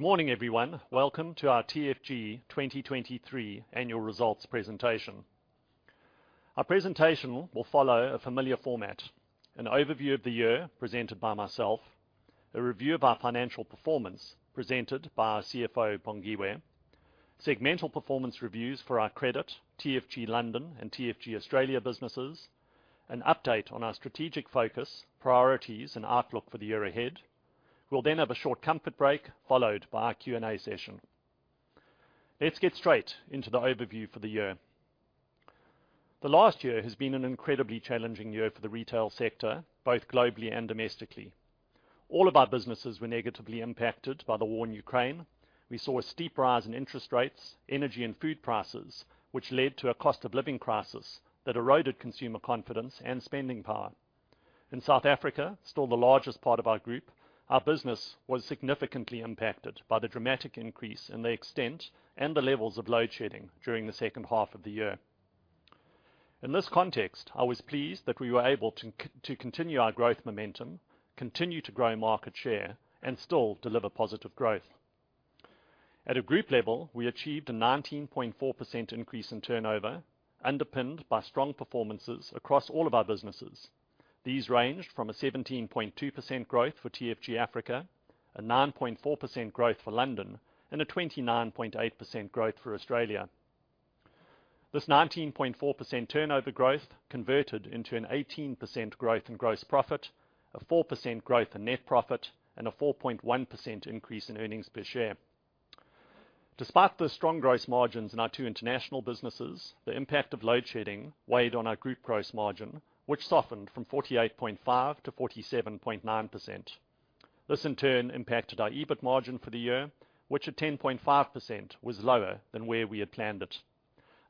Good morning, everyone. Welcome to our TFG 2023 annual results presentation. Our presentation will follow a familiar format: an overview of the year, presented by myself, a review of our financial performance, presented by our CFO Bongiwe, segmental performance reviews for our credit, TFG London and TFG Australia businesses, an update on our strategic focus, priorities, and outlook for the year ahead. We'll have a short comfort break, followed by our Q&A session. Let's get straight into the overview for the year. The last year has been an incredibly challenging year for the retail sector, both globally and domestically. All of our businesses were negatively impacted by the war in Ukraine. We saw a steep rise in interest rates, energy, and food prices, which led to a cost of living crisis that eroded consumer confidence and spending power. In South Africa, still the largest part of our group, our business was significantly impacted by the dramatic increase in the extent and the levels of load shedding during the second half of the year. In this context, I was pleased that we were able to continue our growth momentum, continue to grow market share, and still deliver positive growth. At a group level, we achieved a 19.4% increase in turnover, underpinned by strong performances across all of our businesses. These ranged from a 17.2% growth for TFG Africa, a 9.4% growth for TFG London, and a 29.8% growth for TFG Australia. This 19.4% turnover growth converted into an 18% growth in gross profit, a 4% growth in net profit, and a 4.1% increase in earnings per share. Despite the strong gross margins in our two international businesses, the impact of load shedding weighed on our group gross margin, which softened from 48.5% to 47.9%. This, in turn, impacted our EBIT margin for the year, which at 10.5% was lower than where we had planned it.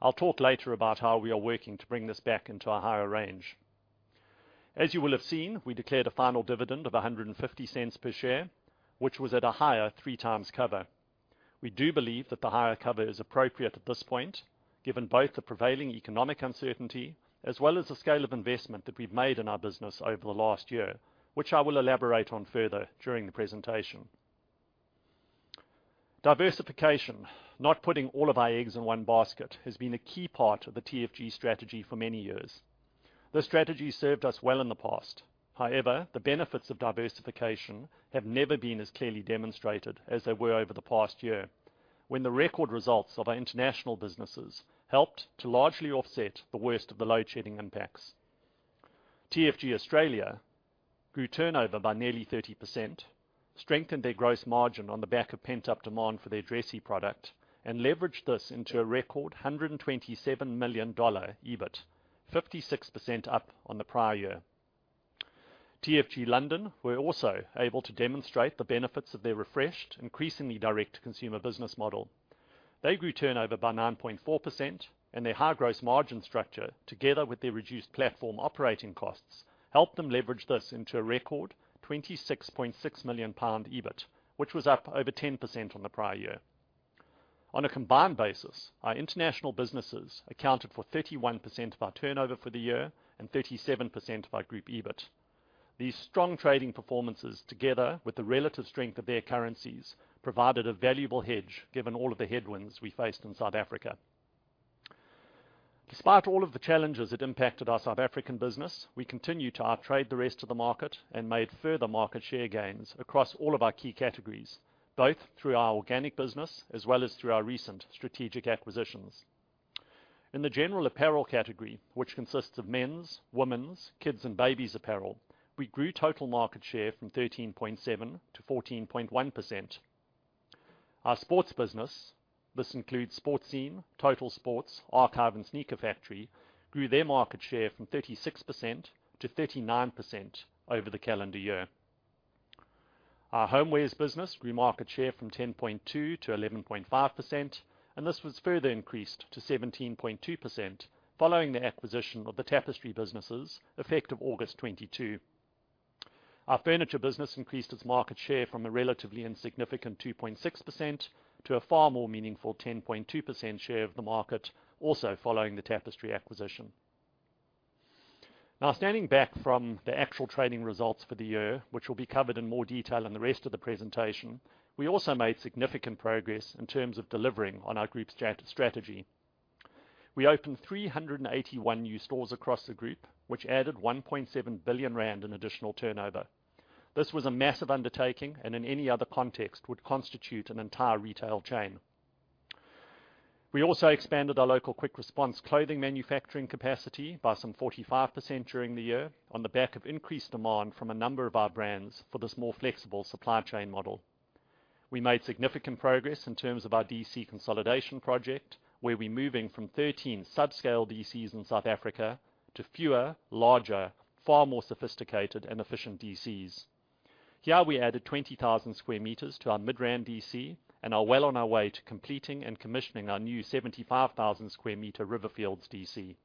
I'll talk later about how we are working to bring this back into a higher range. As you will have seen, we declared a final dividend of 1.50 per share, which was at a higher 3x cover. We do believe that the higher cover is appropriate at this point, given both the prevailing economic uncertainty, as well as the scale of investment that we've made in our business over the last year, which I will elaborate on further during the presentation. Diversification, not putting all of our eggs in one basket, has been a key part of the TFG strategy for many years. This strategy served us well in the past. However, the benefits of diversification have never been as clearly demonstrated as they were over the past year, when the record results of our international businesses helped to largely offset the worst of the load shedding impacts. TFG Australia grew turnover by nearly 30%, strengthened their gross margin on the back of pent-up demand for their dressy product, and leveraged this into a record 127 million dollar EBIT, 56% up on the prior year. TFG London were also able to demonstrate the benefits of their refreshed, increasingly direct consumer business model. They grew turnover by 9.4%, and their high gross margin structure, together with their reduced platform operating costs, helped them leverage this into a record 26.6 million pound EBIT, which was up over 10% on the prior year. On a combined basis, our international businesses accounted for 31% of our turnover for the year and 37% of our group EBIT. These strong trading performances, together with the relative strength of their currencies, provided a valuable hedge, given all of the headwinds we faced in South Africa. Despite all of the challenges that impacted our South African business, we continued to outtrade the rest of the market and made further market share gains across all of our key categories, both through our organic business as well as through our recent strategic acquisitions. In the general apparel category, which consists of men's, women's, kids' and babies' apparel, we grew total market share from 13.7% to 14.1%. Our sports business, this includes Sportscene, Totalsports, Archive, and Sneaker Factory, grew their market share from 36% to 39% over the calendar year. Our homewares business grew market share from 10.2% to 11.5%, and this was further increased to 17.2%, following the acquisition of the Tapestry businesses, effective August 22. Our furniture business increased its market share from a relatively insignificant 2.6% to a far more meaningful 10.2% share of the market, also following the Tapestry acquisition. Standing back from the actual trading results for the year, which will be covered in more detail in the rest of the presentation, we also made significant progress in terms of delivering on our group's strategy. We opened 381 new stores across the group, which added 1.7 billion rand in additional turnover. This was a massive undertaking, and in any other context, would constitute an entire retail chain. We also expanded our local quick response clothing manufacturing capacity by some 45% during the year on the back of increased demand from a number of our brands for this more flexible supply chain model. We made significant progress in terms of our DC consolidation project, where we're moving from 13 subscale DCs in South Africa to fewer, larger, far more sophisticated and efficient DCs. Here, we added 20,000 square meters to our Midrand DC, and are well on our way to completing and commissioning our new 75,000 square meter Riverfields DC.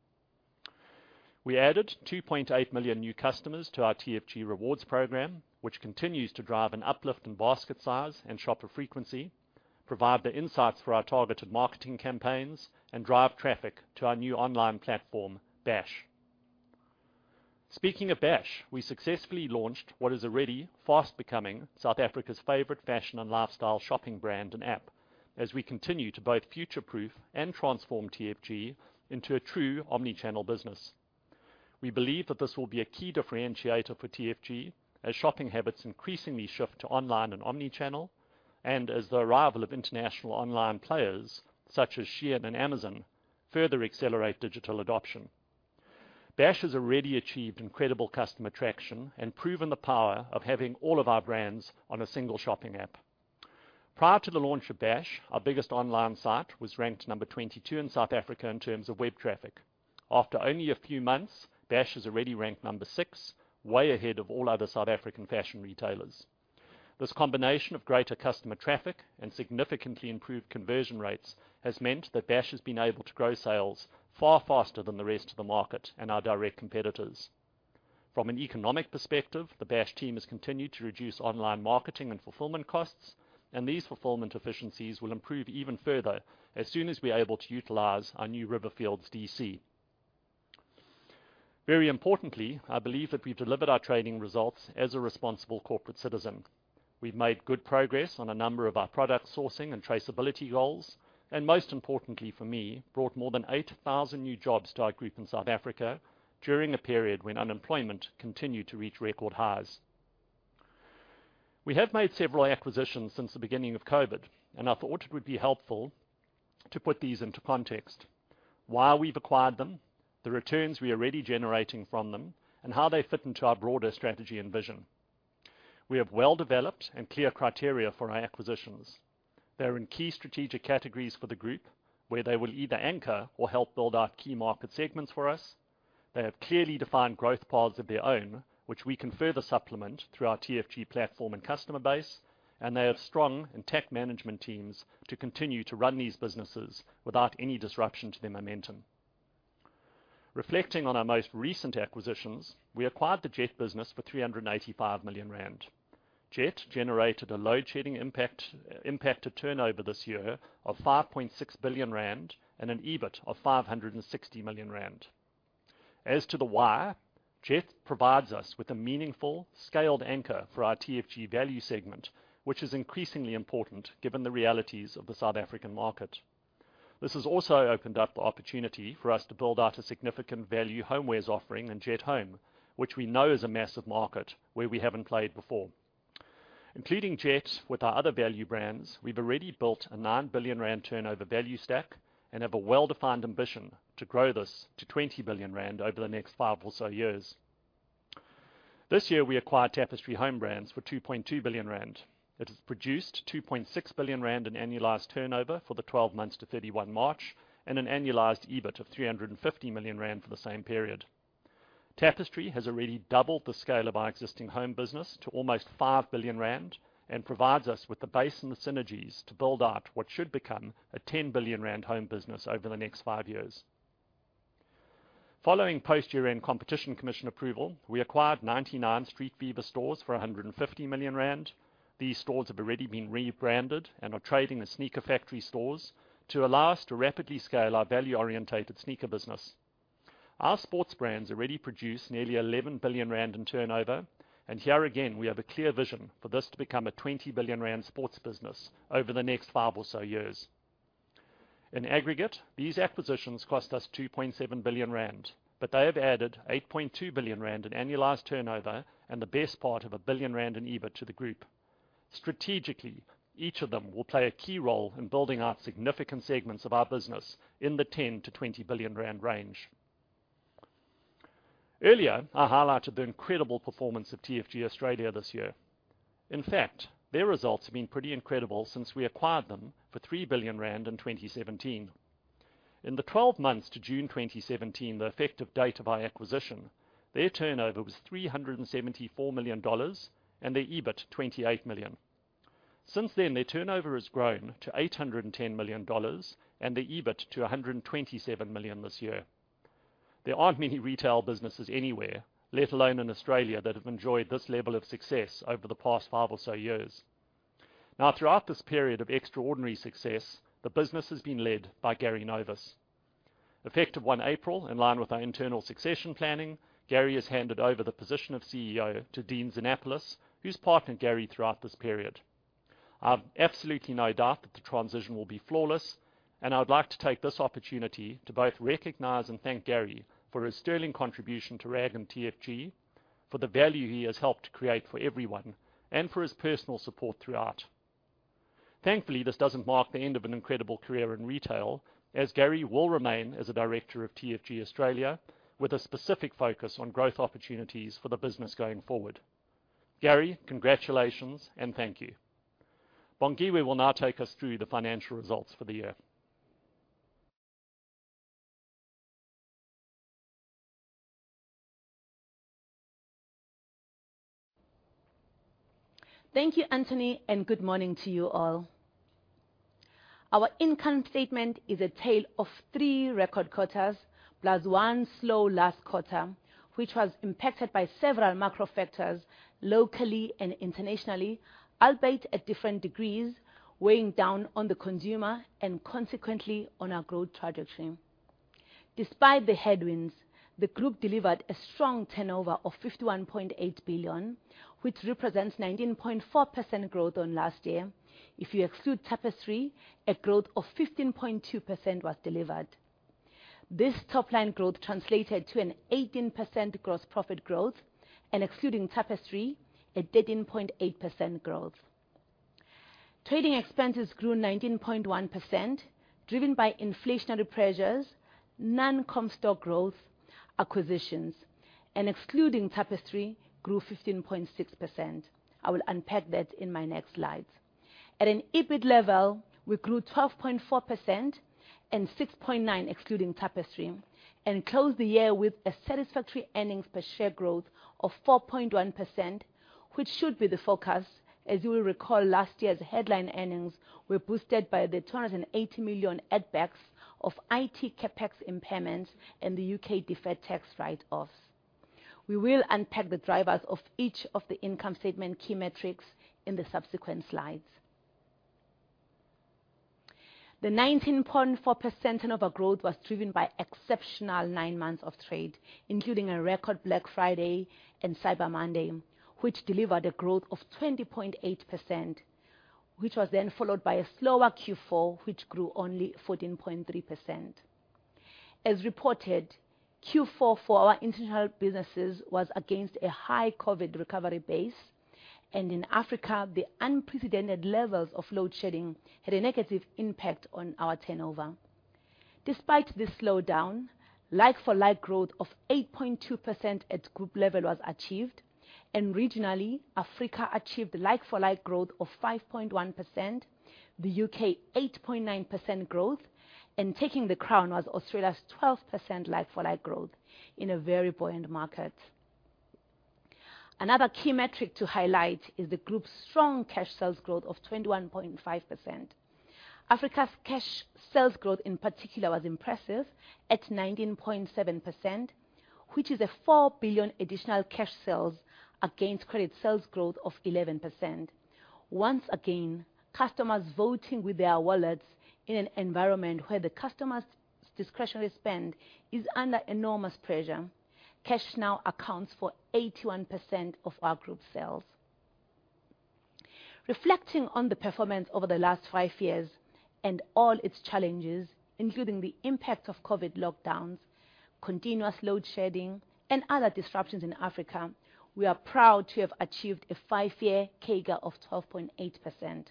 We added 2.8 million new customers to our TFG Rewards program, which continues to drive an uplift in basket size and shopper frequency, provide the insights for our targeted marketing campaigns, and drive traffic to our new online platform, Bash. Speaking of Bash, we successfully launched what is already fast becoming South Africa's favorite fashion and lifestyle shopping brand and app, as we continue to both future-proof and transform TFG into a true omni-channel business. We believe that this will be a key differentiator for TFG as shopping habits increasingly shift to online and omni-channel, and as the arrival of international online players, such as SHEIN and Amazon, further accelerate digital adoption. Bash has already achieved incredible customer traction and proven the power of having all of our brands on a single shopping app. Prior to the launch of Bash, our biggest online site was ranked number 22 in South Africa in terms of web traffic. After only a few months, Bash is already ranked number six, way ahead of all other South African fashion retailers. This combination of greater customer traffic and significantly improved conversion rates, has meant that Bash has been able to grow sales far faster than the rest of the market and our direct competitors. From an economic perspective, the Bash team has continued to reduce online marketing and fulfillment costs. These fulfillment efficiencies will improve even further as soon as we're able to utilize our new Riverfields DC. Very importantly, I believe that we've delivered our trading results as a responsible corporate citizen. We've made good progress on a number of our product sourcing and traceability goals, and most importantly for me, brought more than 8,000 new jobs to our group in South Africa during a period when unemployment continued to reach record highs. We have made several acquisitions since the beginning of COVID, and I thought it would be helpful to put these into context. Why we've acquired them, the returns we are already generating from them, and how they fit into our broader strategy and vision. We have well-developed and clear criteria for our acquisitions. They're in key strategic categories for the group, where they will either anchor or help build out key market segments for us. They have clearly defined growth paths of their own, which we can further supplement through our TFG platform and customer base. They have strong and tech management teams to continue to run these businesses without any disruption to their momentum. Reflecting on our most recent acquisitions, we acquired the Jet business for 385 million rand. Jet generated a load shedding impact, impacted turnover this year of 5.6 billion rand and an EBIT of 560 million rand. As to the why, Jet provides us with a meaningful, scaled anchor for our TFG value segment, which is increasingly important given the realities of the South African market. This has also opened up the opportunity for us to build out a significant value homewares offering in Jet Home, which we know is a massive market where we haven't played before. Including Jet with our other value brands, we've already built a 9 billion rand turnover value stack, and have a well-defined ambition to grow this to 20 billion rand over the next five or so years. This year, we acquired Tapestry Home Brands for 2.2 billion rand. It has produced 2.6 billion rand in annualized turnover for the 12 months to 31 March, and an annualized EBIT of 350 million rand for the same period. Tapestry has already doubled the scale of our existing home business to almost 5 billion rand, and provides us with the base and the synergies to build out what should become a 10 billion rand home business over the next five years. Following post-year-end Competition Commission approval, we acquired 99 Street Fever stores for 150 million rand. These stores have already been rebranded and are trading the Sneaker Factory stores to allow us to rapidly scale our value-oriented sneaker business. Our sports brands already produce nearly 11 billion rand in turnover. Here again, we have a clear vision for this to become a 20 billion rand sports business over the next five or so years. In aggregate, these acquisitions cost us 2.7 billion rand. They have added 8.2 billion rand in annualized turnover, and the best part of a 1 billion rand in EBIT to the group. Strategically, each of them will play a key role in building out significant segments of our business in the 10 billion-20 billion rand range. Earlier, I highlighted the incredible performance of TFG Australia this year. In fact, their results have been pretty incredible since we acquired them for 3 billion rand in 2017. In the 12 months to June 2017, the effective date of our acquisition, their turnover was 374 million dollars, and their EBIT, 28 million. Since then, their turnover has grown to 810 million dollars, and their EBIT to 127 million this year. There aren't many retail businesses anywhere, let alone in Australia, that have enjoyed this level of success over the past five or so years. Now, throughout this period of extraordinary success, the business has been led by Gary Novis. Effective April 1, in line with our internal succession planning, Gary has handed over the position of CEO to Dean Zanapalis, who's partnered Gary throughout this period. I've absolutely no doubt that the transition will be flawless, and I would like to take this opportunity to both recognize and thank Gary for his sterling contribution to RAG and TFG, for the value he has helped to create for everyone, and for his personal support throughout. Thankfully, this doesn't mark the end of an incredible career in retail, as Gary will remain as a director of TFG Australia, with a specific focus on growth opportunities for the business going forward. Gary, congratulations, and thank you. Bongiwe will now take us through the financial results for the year. Thank you, Anthony, and good morning to you all. Our income statement is a tale of three record quarters, plus one slow last quarter, which was impacted by several macro factors, locally and internationally, albeit at different degrees, weighing down on the consumer and consequently on our growth trajectory. Despite the headwinds, the group delivered a strong turnover of 51.8 billion, which represents 19.4% growth on last year. If you exclude Tapestry, a growth of 15.2% was delivered. This top line growth translated to an 18% gross profit growth, and excluding Tapestry, a 13.8% growth. Trading expenses grew 19.1%, driven by inflationary pressures, non-comp store growth, acquisitions, and excluding Tapestry, grew 15.6%. I will unpack that in my next slides. At an EBIT level, we grew 12.4% and 6.9%, excluding Tapestry, and closed the year with a satisfactory earnings per share growth of 4.1%, which should be the focus. As you will recall, last year's headline earnings were boosted by the 280 million add-backs of IT CapEx impairments and the U.K. deferred tax write-offs. We will unpack the drivers of each of the income statement key metrics in the subsequent slides. The 19.4% turnover growth was driven by exceptional nine months of trade, including a record Black Friday and Cyber Monday, which delivered a growth of 20.8%, which was then followed by a slower Q4, which grew only 14.3%. As reported, Q4 for our international businesses was against a high COVID recovery base. In Africa, the unprecedented levels of load shedding had a negative impact on our turnover. Despite this slowdown, like-for-like growth of 8.2% at group level was achieved. Regionally, Africa achieved like-for-like growth of 5.1%, the U.K., 8.9% growth. Taking the crown was Australia's 12% like-for-like growth in a very buoyant market. Another key metric to highlight is the group's strong cash sales growth of 21.5%. Africa's cash sales growth, in particular, was impressive at 19.7%, which is 4 billion additional cash sales against credit sales growth of 11%. Once again, customers voting with their wallets in an environment where the customer's discretionary spend is under enormous pressure. Cash now accounts for 81% of our group sales. Reflecting on the performance over the last five years and all its challenges, including the impact of COVID lockdowns, continuous load shedding, and other disruptions in Africa, we are proud to have achieved a five-year CAGR of 12.8%.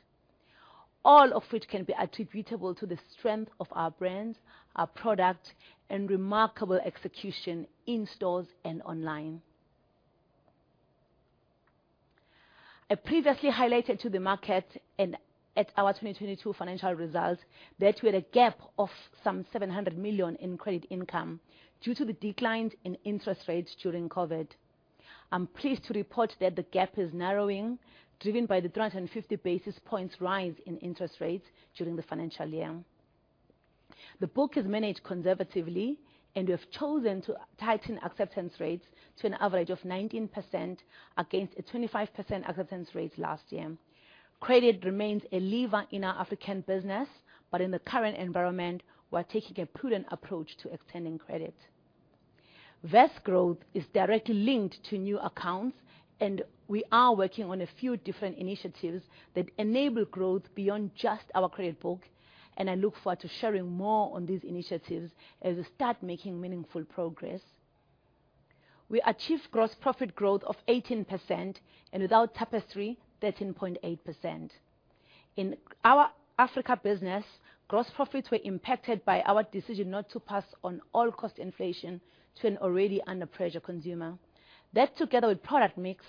All of which can be attributable to the strength of our brands, our product, and remarkable execution in stores and online. I previously highlighted to the market and at our 2022 financial results, that we had a gap of some 700 million in credit income due to the declines in interest rates during COVID. I'm pleased to report that the gap is narrowing, driven by the 350 basis points rise in interest rates during the financial year. The book is managed conservatively. We have chosen to tighten acceptance rates to an average of 19%, against a 25% acceptance rate last year. Credit remains a lever in our African business. In the current environment, we're taking a prudent approach to extending credit. VEST growth is directly linked to new accounts. We are working on a few different initiatives that enable growth beyond just our credit book. I look forward to sharing more on these initiatives as we start making meaningful progress. We achieved gross profit growth of 18%, and without Tapestry, 13.8%. In our Africa business, gross profits were impacted by our decision not to pass on all cost inflation to an already under-pressure consumer. That, together with product mix,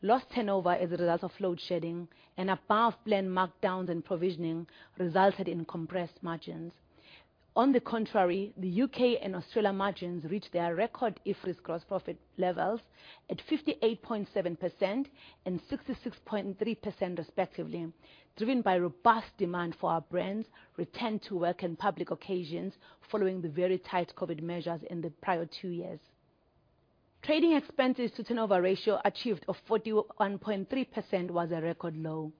lost turnover as a result of load shedding and above plan markdowns and provisioning, resulted in compressed margins. On the contrary, the U.K. and Australia margins reached their record EBITDA gross profit levels at 58.7% and 66.3% respectively, driven by robust demand for our brands, return to work and public occasions, following the very tight COVID measures in the prior two years. Trading expenses to turnover ratio achieved of 41.3% was a record low.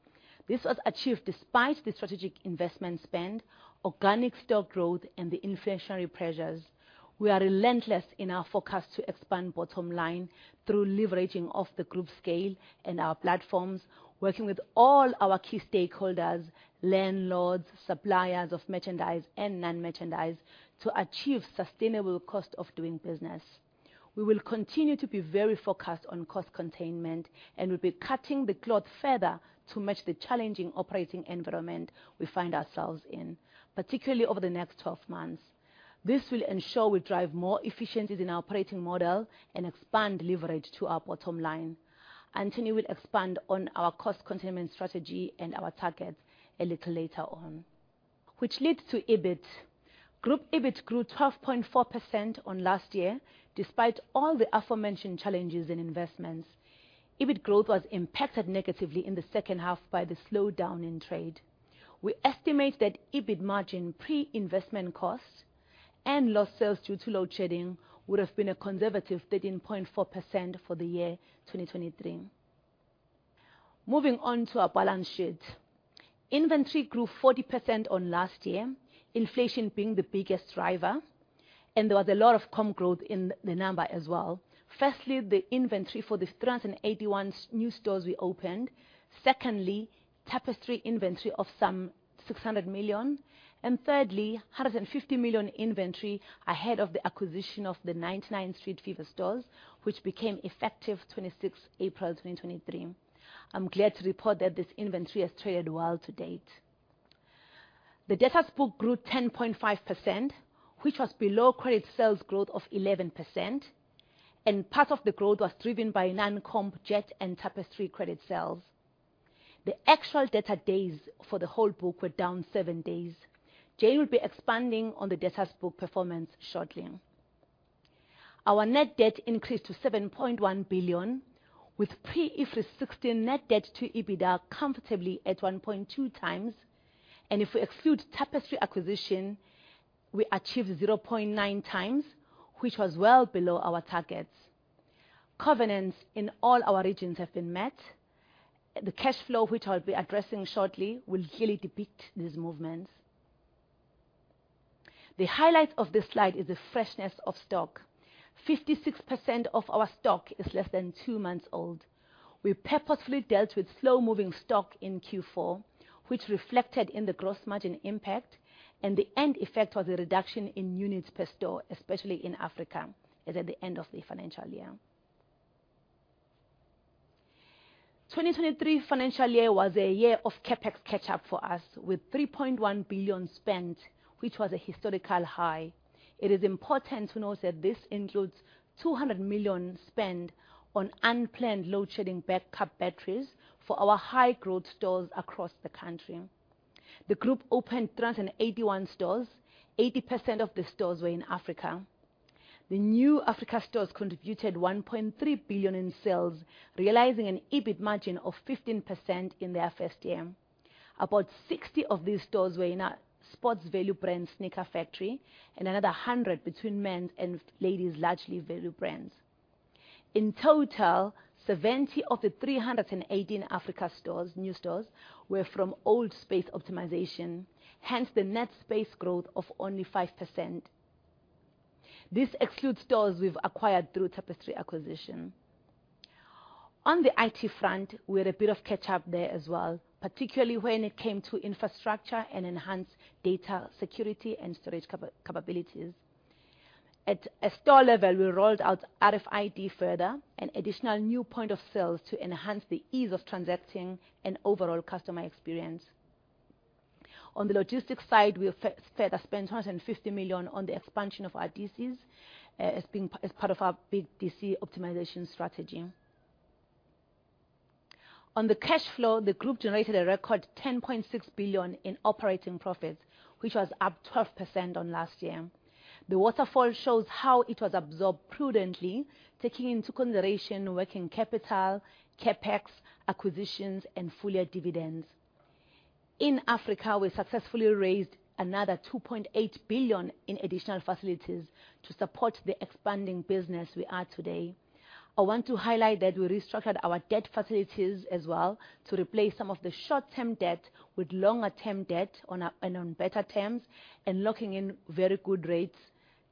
This was achieved despite the strategic investment spend, organic stock growth, and the inflationary pressures. We are relentless in our forecast to expand bottom line through leveraging of the group scale and our platforms, working with all our key stakeholders, landlords, suppliers of merchandise and non-merchandise, to achieve sustainable cost of doing business. We will continue to be very focused on cost containment, and will be cutting the cloth further to match the challenging operating environment we find ourselves in, particularly over the next 12 months. This will ensure we drive more efficiencies in our operating model and expand leverage to our bottom line. Anthony will expand on our cost containment strategy and our targets a little later on. Leads to EBIT. Group EBIT grew 12.4% on last year, despite all the aforementioned challenges and investments. EBIT growth was impacted negatively in the second half by the slowdown in trade. We estimate that EBIT margin, pre-investment costs and lost sales due to load shedding, would have been a conservative 13.4% for the year 2023. Moving on to our balance sheet. Inventory grew 40% on last year, inflation being the biggest driver. There was a lot of comp growth in the number as well. Firstly, the inventory for the 381 new stores we opened. Secondly, Tapestry inventory of some 600 million. Thirdly, 150 million inventory ahead of the acquisition of the 99 Street Fever stores, which became effective 26th April, 2023. I'm glad to report that this inventory has traded well to date. The debt book grew 10.5%, which was below credit sales growth of 11%. Part of the growth was driven by non-comp Jet and Tapestry credit sales. The actual data days for the whole book were down seven days. Jane will be expanding on the data book performance shortly. Our net debt increased to 7.1 billion, with pre-IFRS 16 net debt to EBITDA comfortably at 1.2x. If we exclude Tapestry acquisition, we achieved 0.9x, which was well below our targets. Covenants in all our regions have been met. The cash flow, which I'll be addressing shortly, will clearly depict these movements. The highlight of this slide is the freshness of stock. 56% of our stock is less than two months old. We purposefully dealt with slow-moving stock in Q4, which reflected in the gross margin impact. The end effect was a reduction in units per store, especially in Africa, as at the end of the financial year. 2023 financial year was a year of CapEx catch-up for us, with 3.1 billion spent, which was a historical high. It is important to note that this includes 200 million spent on unplanned load shedding backup batteries for our high growth stores across the country. The group opened 381 stores. 80% of the stores were in Africa. The new Africa stores contributed 1.3 billion in sales, realizing an EBIT margin of 15% in their first year. About 60 of these stores were in a sports value brand Sneaker Factory and another 100 between men's and ladies' largely value brands. In total, 70 of the 318 Africa stores, new stores, were from old space optimization, hence the net space growth of only 5%. This excludes stores we've acquired through Tapestry acquisition. On the IT front, we had a bit of catch-up there as well, particularly when it came to infrastructure and enhanced data security and storage capabilities. At a store level, we rolled out RFID further, an additional new point of sales to enhance the ease of transacting and overall customer experience. On the logistics side, we further spent 250 million on the expansion of our DCs, as being, as part of our big DC optimization strategy. On the cash flow, the group generated a record 10.6 billion in operating profits, which was up 12% on last year. The waterfall shows how it was absorbed prudently, taking into consideration working capital, CapEx, acquisitions, and full year dividends. In Africa, we successfully raised another 2.8 billion in additional facilities to support the expanding business we are today. I want to highlight that we restructured our debt facilities as well, to replace some of the short-term debt with longer-term debt and on better terms, and locking in very good rates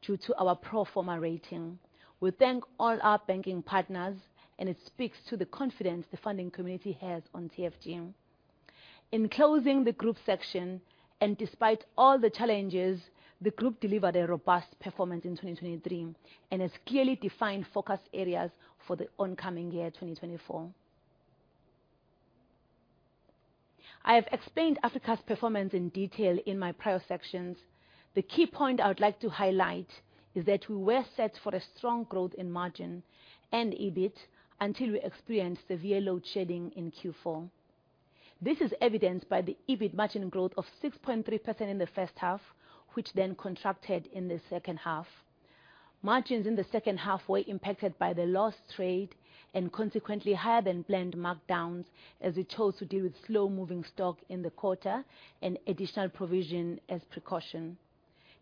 due to our pro forma rating. We thank all our banking partners. It speaks to the confidence the funding community has on TFG. In closing the group section, and despite all the challenges, the group delivered a robust performance in 2023 and has clearly defined focus areas for the oncoming year, 2024. I have explained Africa's performance in detail in my prior sections. The key point I would like to highlight is that we were set for a strong growth in margin and EBIT until we experienced severe load shedding in Q4. This is evidenced by the EBIT margin growth of 6.3% in the first half, which then contracted in the second half. Margins in the second half were impacted by the lost trade and consequently higher than planned markdowns, as we chose to deal with slow-moving stock in the quarter and additional provision as precaution.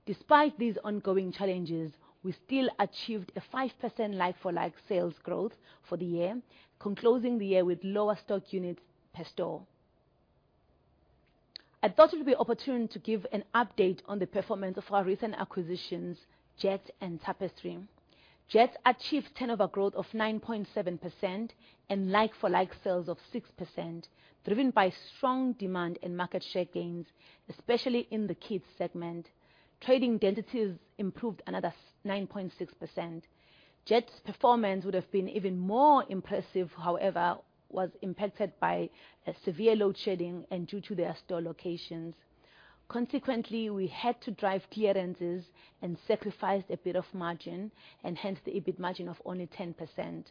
Despite these ongoing challenges, we still achieved a 5% like-for-like sales growth for the year, closing the year with lower stock units per store. I thought it would be an opportunity to give an update on the performance of our recent acquisitions, Jet and Tapestry. Jet achieved turnover growth of 9.7% and like-for-like sales of 6%, driven by strong demand and market share gains, especially in the kids segment. Trading densities improved another 9.6%. Jet's performance would have been even more impressive, however, was impacted by a severe load shedding and due to their store locations. We had to drive clearances and sacrificed a bit of margin, and hence the EBIT margin of only 10%.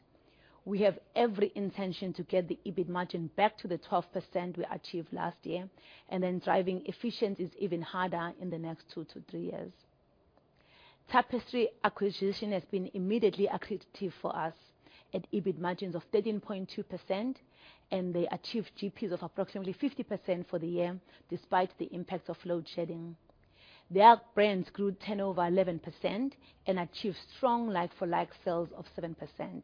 We have every intention to get the EBIT margin back to the 12% we achieved last year, and then driving efficiencies even harder in the next two to three years. Tapestry acquisition has been immediately accretive for us at EBIT margins of 13.2%, and they achieved GPs of approximately 50% for the year, despite the impacts of load shedding. Their brands grew 10 over 11% and achieved strong like-for-like sales of 7%.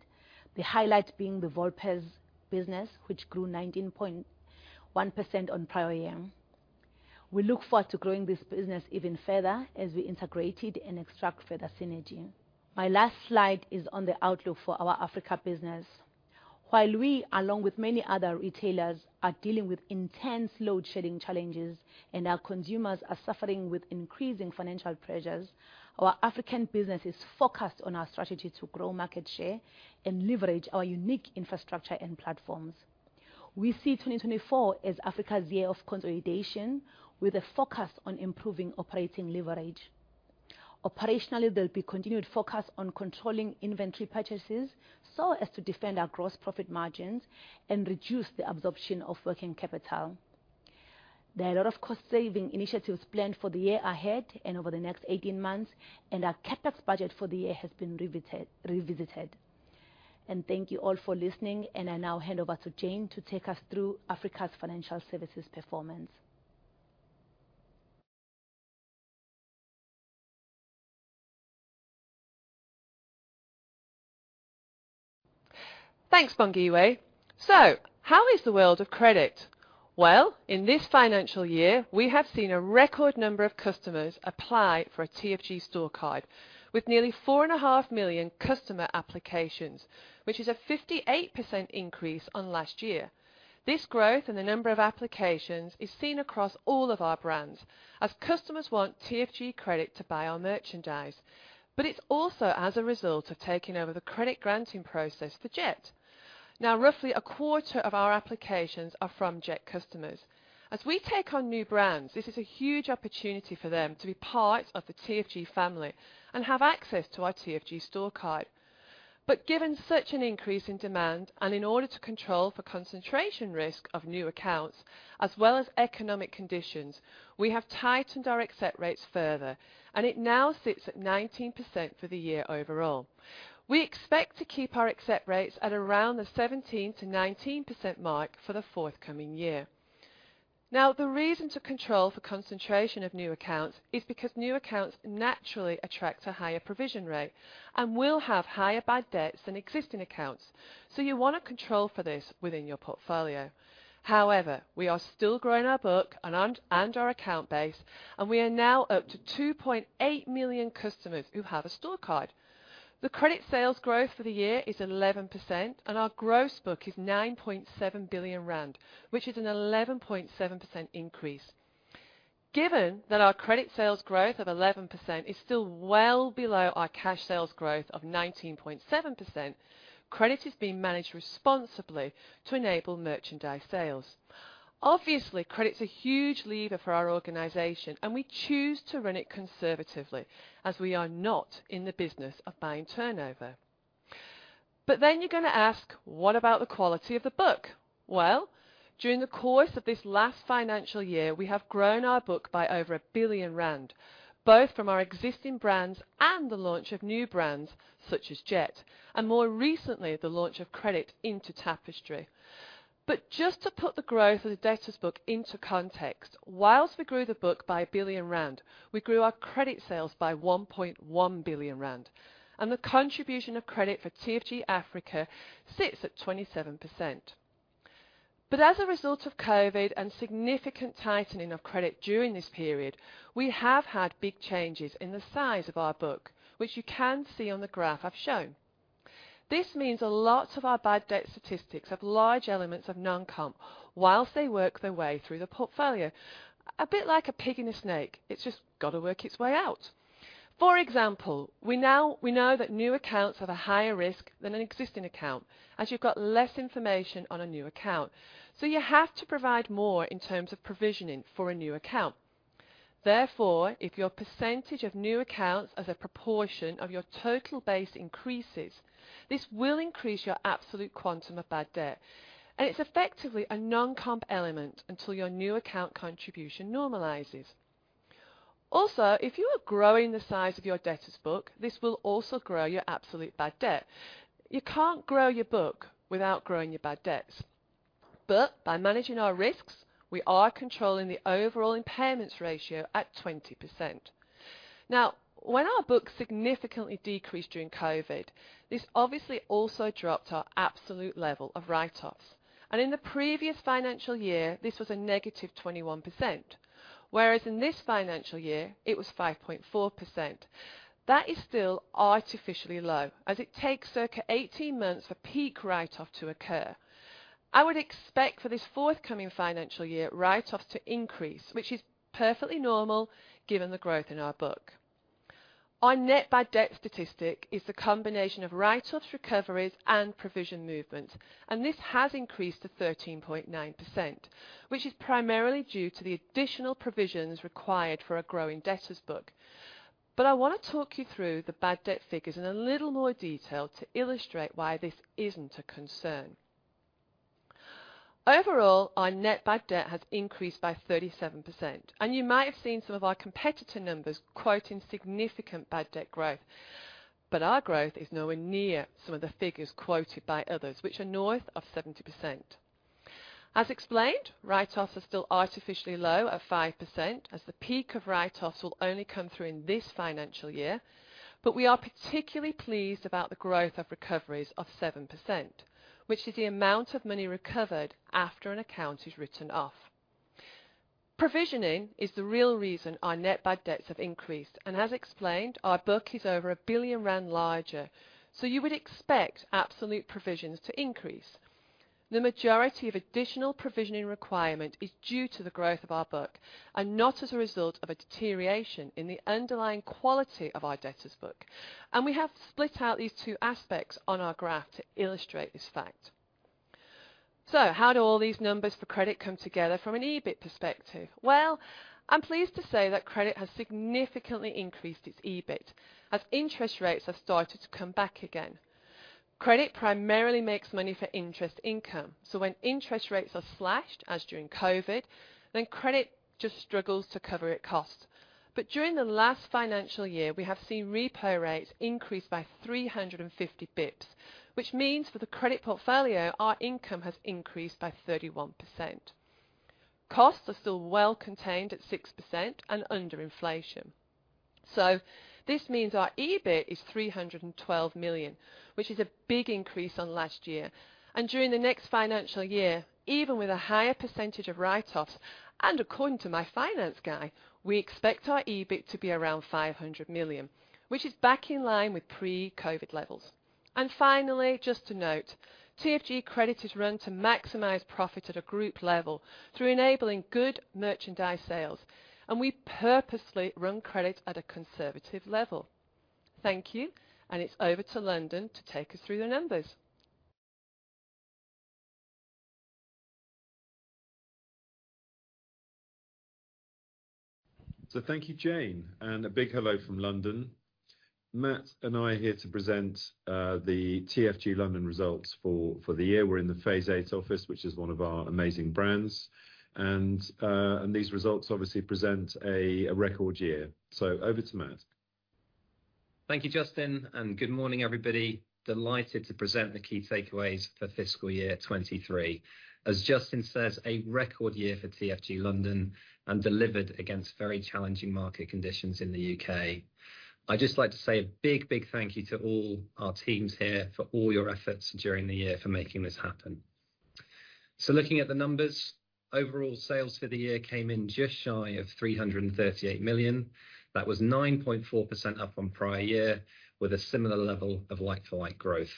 The highlight being the Volpes business, which grew 19.1% on prior year.... We look forward to growing this business even further as we integrate it and extract further synergy. My last slide is on the outlook for our Africa business. While we, along with many other retailers, are dealing with intense load-shedding challenges and our consumers are suffering with increasing financial pressures, our African business is focused on our strategy to grow market share and leverage our unique infrastructure and platforms. We see 2024 as Africa's year of consolidation, with a focus on improving operating leverage. Operationally, there'll be continued focus on controlling inventory purchases so as to defend our gross profit margins and reduce the absorption of working capital. There are a lot of cost-saving initiatives planned for the year ahead and over the next 18 months, our CapEx budget for the year has been revisited. Thank you all for listening, and I now hand over to Jane to take us through Africa's financial services performance. Thanks, Bongiwe. How is the world of credit? In this financial year, we have seen a record number of customers apply for a TFG store card with nearly four and a half million customer applications, which is a 58% increase on last year. This growth in the number of applications is seen across all of our brands as customers want TFG Credit to buy our merchandise, but it's also as a result of taking over the credit granting process for Jet. Now, roughly a quarter of our applications are from Jet customers. As we take on new brands, this is a huge opportunity for them to be part of the TFG family and have access to our TFG store card. Given such an increase in demand and in order to control for concentration risk of new accounts as well as economic conditions, we have tightened our accept rates further, and it now sits at 19% for the year overall. We expect to keep our accept rates at around the 17%-19% mark for the forthcoming year. The reason to control for concentration of new accounts is because new accounts naturally attract a higher provision rate and will have higher bad debts than existing accounts, so you want to control for this within your portfolio. However, we are still growing our book and our account base, and we are now up to 2.8 million customers who have a store card. The credit sales growth for the year is 11%, our gross book is 9.7 billion rand, which is an 11.7% increase. Given that our credit sales growth of 11% is still well below our cash sales growth of 19.7%, credit is being managed responsibly to enable merchandise sales. Obviously, credit's a huge lever for our organization, and we choose to run it conservatively as we are not in the business of buying turnover. You're going to ask: What about the quality of the book? During the course of this last financial year, we have grown our book by over 1 billion rand, both from our existing brands and the launch of new brands such as Jet, and more recently, the launch of credit into Tapestry. Just to put the growth of the debtors book into context, whilst we grew the book by 1 billion rand, we grew our credit sales by 1.1 billion rand, and the contribution of credit for TFG Africa sits at 27%. As a result of COVID and significant tightening of credit during this period, we have had big changes in the size of our book, which you can see on the graph I've shown. This means a lot of our bad debt statistics have large elements of non-comp whilst they work their way through the portfolio. A bit like a pig and a snake, it's just got to work its way out. For example, we know that new accounts have a higher risk than an existing account, as you've got less information on a new account, so you have to provide more in terms of provisioning for a new account. If your percentage of new accounts as a proportion of your total base increases, this will increase your absolute quantum of bad debt, and it's effectively a non-comp element until your new account contribution normalizes. If you are growing the size of your debtors book, this will also grow your absolute bad debt. You can't grow your book without growing your bad debts. By managing our risks, we are controlling the overall impairments ratio at 20%. When our book significantly decreased during COVID, this obviously also dropped our absolute level of write-offs, and in the previous financial year, this was a negative 21%, whereas in this financial year it was 5.4%. That is still artificially low, as it takes circa 18 months for peak write-off to occur. I would expect for this forthcoming financial year, write-offs to increase, which is perfectly normal given the growth in our book. Our net bad debt statistic is the combination of write-offs, recoveries, and provision movement. This has increased to 13.9%, which is primarily due to the additional provisions required for a growing debtors book. I want to talk you through the bad debt figures in a little more detail to illustrate why this isn't a concern. Overall, our net bad debt has increased by 37%, and you might have seen some of our competitor numbers quoting significant bad debt growth. Our growth is nowhere near some of the figures quoted by others, which are north of 70%. As explained, write-offs are still artificially low at 5%, as the peak of write-offs will only come through in this financial year. We are particularly pleased about the growth of recoveries of 7%, which is the amount of money recovered after an account is written off. Provisioning is the real reason our net bad debts have increased, and as explained, our book is over 1 billion rand larger, so you would expect absolute provisions to increase. The majority of additional provisioning requirement is due to the growth of our book and not as a result of a deterioration in the underlying quality of our debtors book. We have split out these two aspects on our graph to illustrate this fact. How do all these numbers for credit come together from an EBIT perspective? Well, I'm pleased to say that credit has significantly increased its EBIT, as interest rates have started to come back again. Credit primarily makes money for interest income, so when interest rates are slashed, as during COVID, then credit just struggles to cover its costs. During the last financial year, we have seen repo rates increase by 350 bips, which means for the credit portfolio, our income has increased by 31%. Costs are still well contained at 6% and under inflation. This means our EBIT is 312 million, which is a big increase on last year. During the next financial year, even with a higher percentage of write-offs, and according to my finance guy, we expect our EBIT to be around 500 million, which is back in line with pre-COVID levels. Finally, just to note, TFG Credit is run to maximize profit at a group level through enabling good merchandise sales, and we purposely run credit at a conservative level. Thank you. It's over to London to take us through the numbers. Thank you, Jane, and a big hello from London. Matt and I are here to present, the TFG London results for the year. We're in the Phase Eight office, which is one of our amazing brands, and these results obviously present a record year. Over to Matt. Thank you, Justin, and good morning, everybody. Delighted to present the key takeaways for fiscal year 2023. As Justin says, a record year for TFG London and delivered against very challenging market conditions in the U.K. I'd just like to say a big, big thank you to all our teams here for all your efforts during the year for making this happen. Looking at the numbers, overall sales for the year came in just shy of 338 million. That was 9.4% up from prior year, with a similar level of like-for-like growth.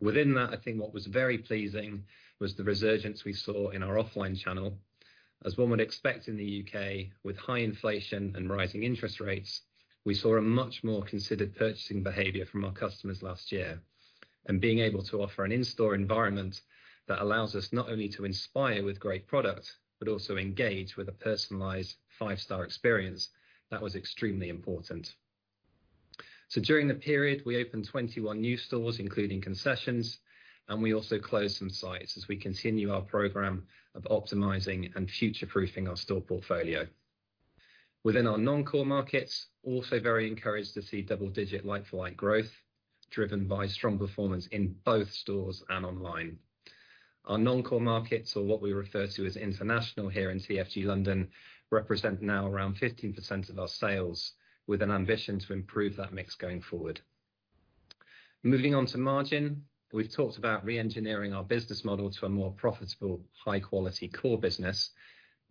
Within that, I think what was very pleasing was the resurgence we saw in our offline channel. As one would expect in the U.K., with high inflation and rising interest rates, we saw a much more considered purchasing behavior from our customers last year, being able to offer an in-store environment that allows us not only to inspire with great product, but also engage with a personalized five-star experience, that was extremely important. During the period, we opened 21 new stores, including concessions, we also closed some sites as we continue our program of optimizing and future-proofing our store portfolio. Within our non-core markets, also very encouraged to see double-digit like-for-like growth, driven by strong performance in both stores and online. Our non-core markets, or what we refer to as international here in TFG London, represent now around 15% of our sales, with an ambition to improve that mix going forward. Moving on to margin. We've talked about reengineering our business model to a more profitable, high-quality core business.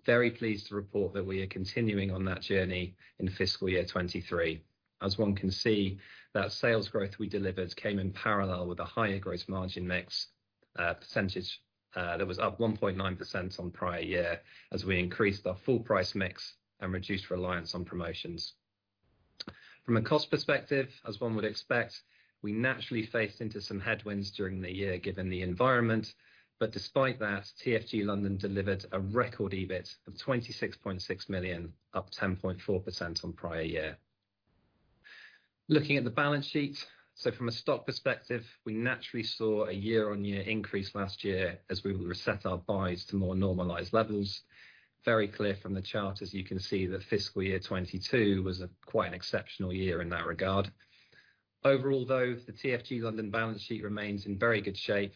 Very pleased to report that we are continuing on that journey in fiscal year 2023. As one can see, that sales growth we delivered came in parallel with a higher gross margin mix percentage that was up 1.9% on prior year, as we increased our full price mix and reduced reliance on promotions. From a cost perspective, as one would expect, we naturally faced into some headwinds during the year given the environment, despite that, TFG London delivered a record EBIT of 26.6 million, up 10.4% on prior year. Looking at the balance sheet, from a stock perspective, we naturally saw a year-over-year increase last year as we reset our buys to more normalized levels. Very clear from the chart, as you can see, that fiscal year 2022 was a quite an exceptional year in that regard. Overall, though, the TFG London balance sheet remains in very good shape,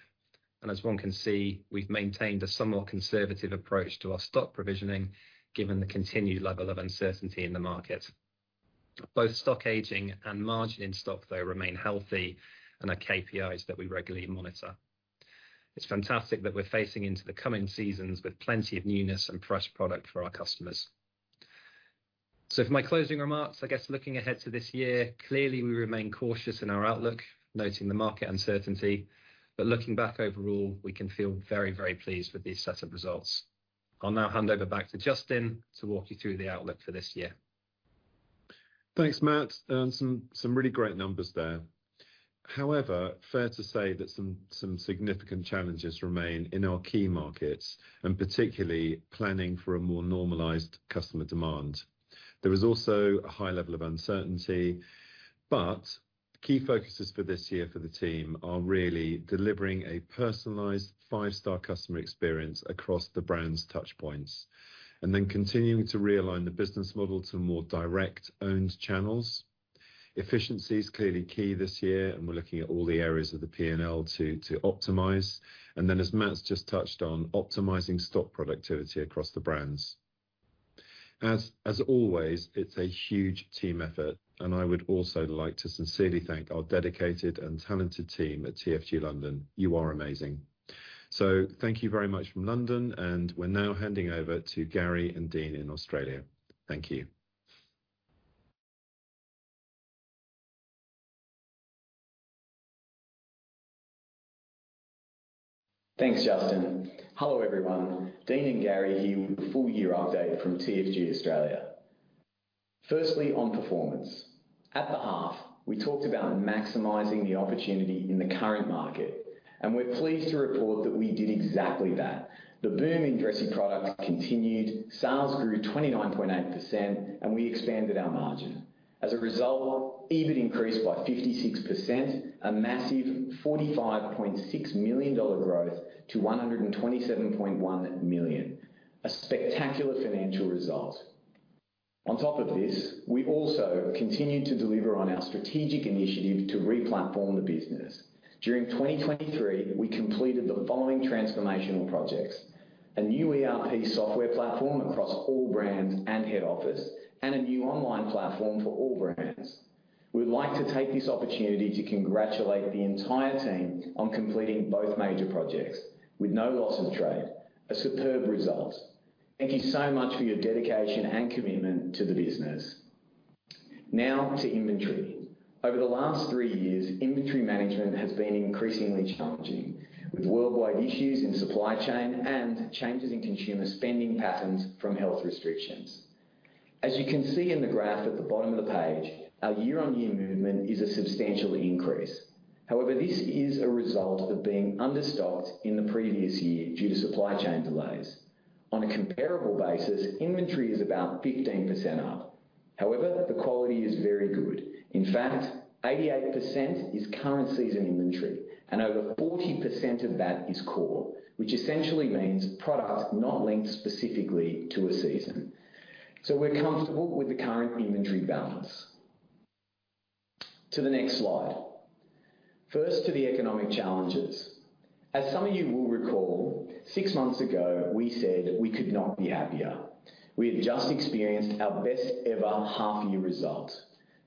and as one can see, we've maintained a somewhat conservative approach to our stock provisioning, given the continued level of uncertainty in the market. Both stock aging and margin in stock, though, remain healthy and are KPIs that we regularly monitor. It's fantastic that we're facing into the coming seasons with plenty of newness and fresh product for our customers. For my closing remarks, I guess looking ahead to this year, clearly we remain cautious in our outlook, noting the market uncertainty, but looking back overall, we can feel very, very pleased with these set of results. I'll now hand over back to Justin to walk you through the outlook for this year. Thanks, Matt. some really great numbers there. However, fair to say that some significant challenges remain in our key markets, and particularly planning for a more normalized customer demand. There is also a high level of uncertainty, but key focuses for this year for the team are really delivering a personalized five-star customer experience across the brand's touchpoints, and then continuing to realign the business model to more direct owned channels. Efficiency is clearly key this year, and we're looking at all the areas of the P&L to optimize, and then, as Matt's just touched on, optimizing stock productivity across the brands. As always, it's a huge team effort, and I would also like to sincerely thank our dedicated and talented team at TFG London. You are amazing. Thank you very much from London, and we're now handing over to Gary and Dean in Australia. Thank you. Thanks, Justin. Hello, everyone. Dean and Gary here with the full year update from TFG Australia. On performance. At the half, we talked about maximizing the opportunity in the current market, and we're pleased to report that we did exactly that. The boom in dressy products continued, sales grew 29.8%, and we expanded our margin. As a result, EBIT increased by 56%, a massive 45.6 million dollar growth to 127.1 million. A spectacular financial result. On top of this, we also continued to deliver on our strategic initiative to replatform the business. During 2023, we completed the following transformational projects: a new ERP software platform across all brands and head office, and a new online platform for all brands. We'd like to take this opportunity to congratulate the entire team on completing both major projects with no loss of trade. A superb result. Thank you so much for your dedication and commitment to the business. Now to inventory. Over the last three years, inventory management has been increasingly challenging, with worldwide issues in supply chain and changes in consumer spending patterns from health restrictions. As you can see in the graph at the bottom of the page, our year-on-year movement is a substantial increase. However, this is a result of being understocked in the previous year due to supply chain delays. On a comparable basis, inventory is about 15% up. However, the quality is very good. In fact, 88% is current season inventory, and over 40% of that is core, which essentially means product not linked specifically to a season. We're comfortable with the current inventory balance. To the next slide. First, to the economic challenges. As some of you will recall, six months ago we said we could not be happier. We had just experienced our best ever half-year result.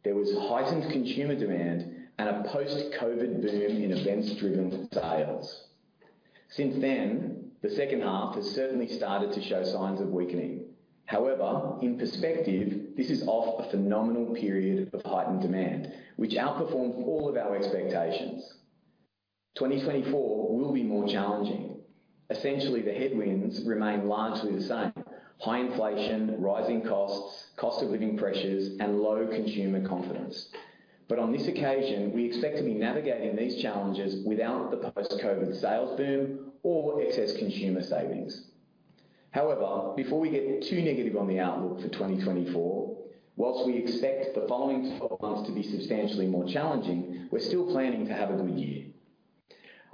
There was heightened consumer demand and a post-COVID boom in events-driven sales. Since then, the second half has certainly started to show signs of weakening. However, in perspective, this is off a phenomenal period of heightened demand, which outperformed all of our expectations. 2024 will be more challenging. Essentially, the headwinds remain largely the same: high inflation, rising costs, cost of living pressures, and low consumer confidence. On this occasion, we expect to be navigating these challenges without the post-COVID sales boom or excess consumer savings. However, before we get too negative on the outlook for 2024, while we expect the following 12 months to be substantially more challenging, we're still planning to have a good year.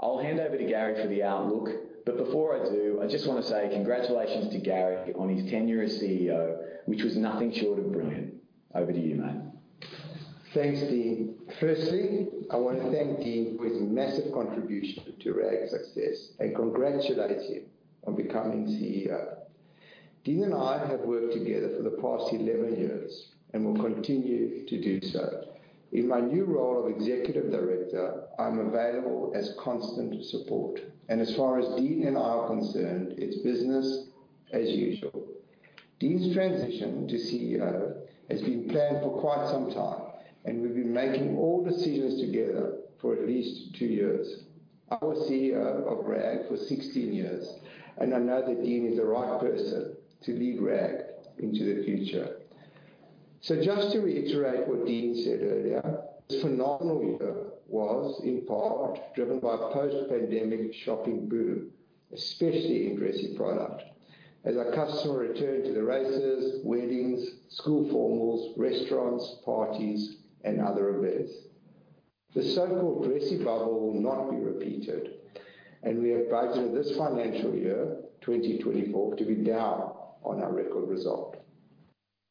I'll hand over to Gary for the outlook, but before I do, I just want to say congratulations to Gary on his tenure as CEO, which was nothing short of brilliant. Over to you, mate. Thanks, Dean. Firstly, I want to thank Dean for his massive contribution to RAG's success and congratulate him on becoming CEO. Dean and I have worked together for the past 11 years and will continue to do so. In my new role of executive director, I'm available as constant support, and as far as Dean and I are concerned, it's business as usual. Dean's transition to CEO has been planned for quite some time, and we've been making all decisions together for at least two years. I was CEO of RAG for 16 years, and I know that Dean is the right person to lead RAG into the future. Just to reiterate what Dean said earlier, this phenomenal year was, in part, driven by a post-pandemic shopping boom, especially in dressy product, as our customer returned to the races, weddings, school formals, restaurants, parties, and other events. The so-called dressy bubble will not be repeated, and we have budgeted this financial year, 2024, to be down on our record result.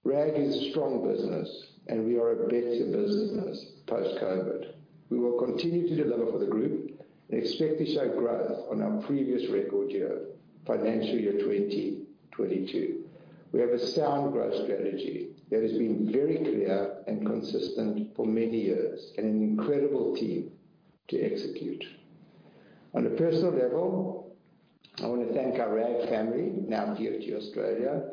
RAG is a strong business, and we are a better business post-COVID. We will continue to deliver for the group and expect to show growth on our previous record year, financial year 2022. We have a sound growth strategy that has been very clear and consistent for many years and an incredible team to execute. On a personal level, I want to thank our RAG family, now TFG Australia,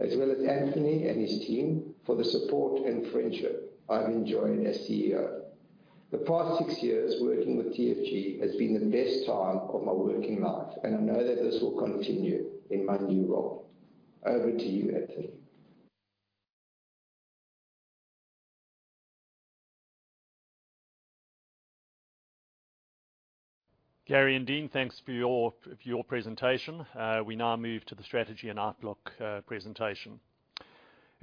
as well as Anthony and his team for the support and friendship I've enjoyed as CEO. The past six years working with TFG has been the best time of my working life, and I know that this will continue in my new role. Over to you, Anthony. Gary and Dean, thanks for your presentation. We now move to the strategy and outlook presentation.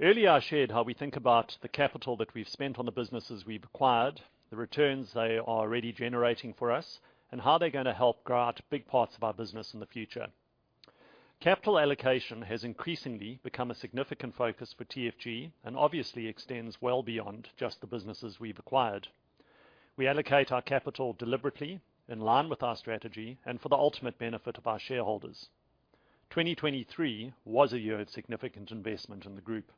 Earlier, I shared how we think about the capital that we've spent on the businesses we've acquired, the returns they are already generating for us, and how they're gonna help grow out big parts of our business in the future. Capital allocation has increasingly become a significant focus for TFG and obviously extends well beyond just the businesses we've acquired. We allocate our capital deliberately, in line with our strategy, and for the ultimate benefit of our shareholders. 2023 was a year of significant investment in the group.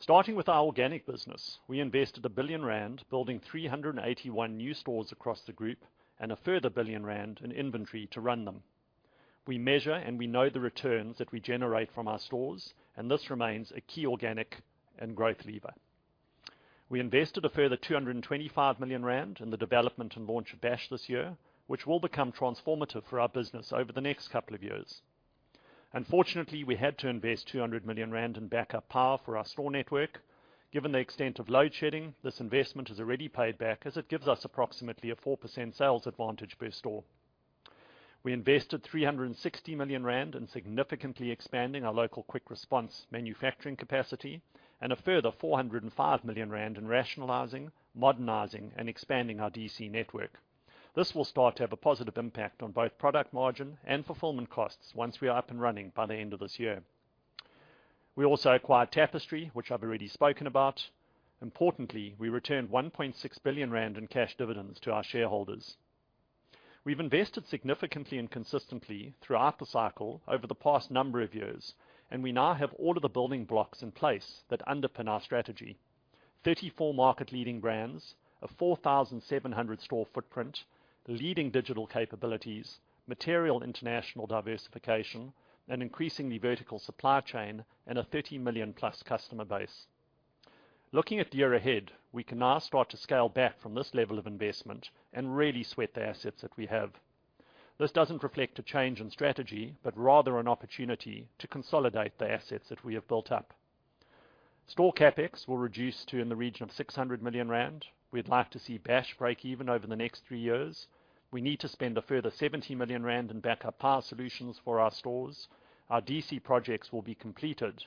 Starting with our organic business, we invested 1 billion rand, building 381 new stores across the group, and a further 1 billion rand in inventory to run them. We measure, we know the returns that we generate from our stores, and this remains a key organic and growth lever. We invested a further 225 million rand in the development and launch of Bash this year, which will become transformative for our business over the next couple of years. Unfortunately, we had to invest 200 million rand in backup power for our store network. Given the extent of load shedding, this investment is already paid back, as it gives us approximately a 4% sales advantage per store. We invested 360 million rand in significantly expanding our local quick response manufacturing capacity, and a further 405 million rand in rationalizing, modernizing, and expanding our DC network. This will start to have a positive impact on both product margin and fulfillment costs once we are up and running by the end of this year. We also acquired Tapestry, which I've already spoken about. Importantly, we returned 1.6 billion rand in cash dividends to our shareholders. We've invested significantly and consistently throughout the cycle over the past number of years, and we now have all of the building blocks in place that underpin our strategy. 34 market-leading brands, a 4,700 store footprint, leading digital capabilities, material international diversification, an increasingly vertical supply chain, and a 30 million-plus customer base. Looking at the year ahead, we can now start to scale back from this level of investment and really sweat the assets that we have. This doesn't reflect a change in strategy, but rather an opportunity to consolidate the assets that we have built up. Store CapEx will reduce to in the region of 600 million rand. We'd like to see Bash break even over the next three years. We need to spend a further 70 million rand in backup power solutions for our stores. Our DC projects will be completed,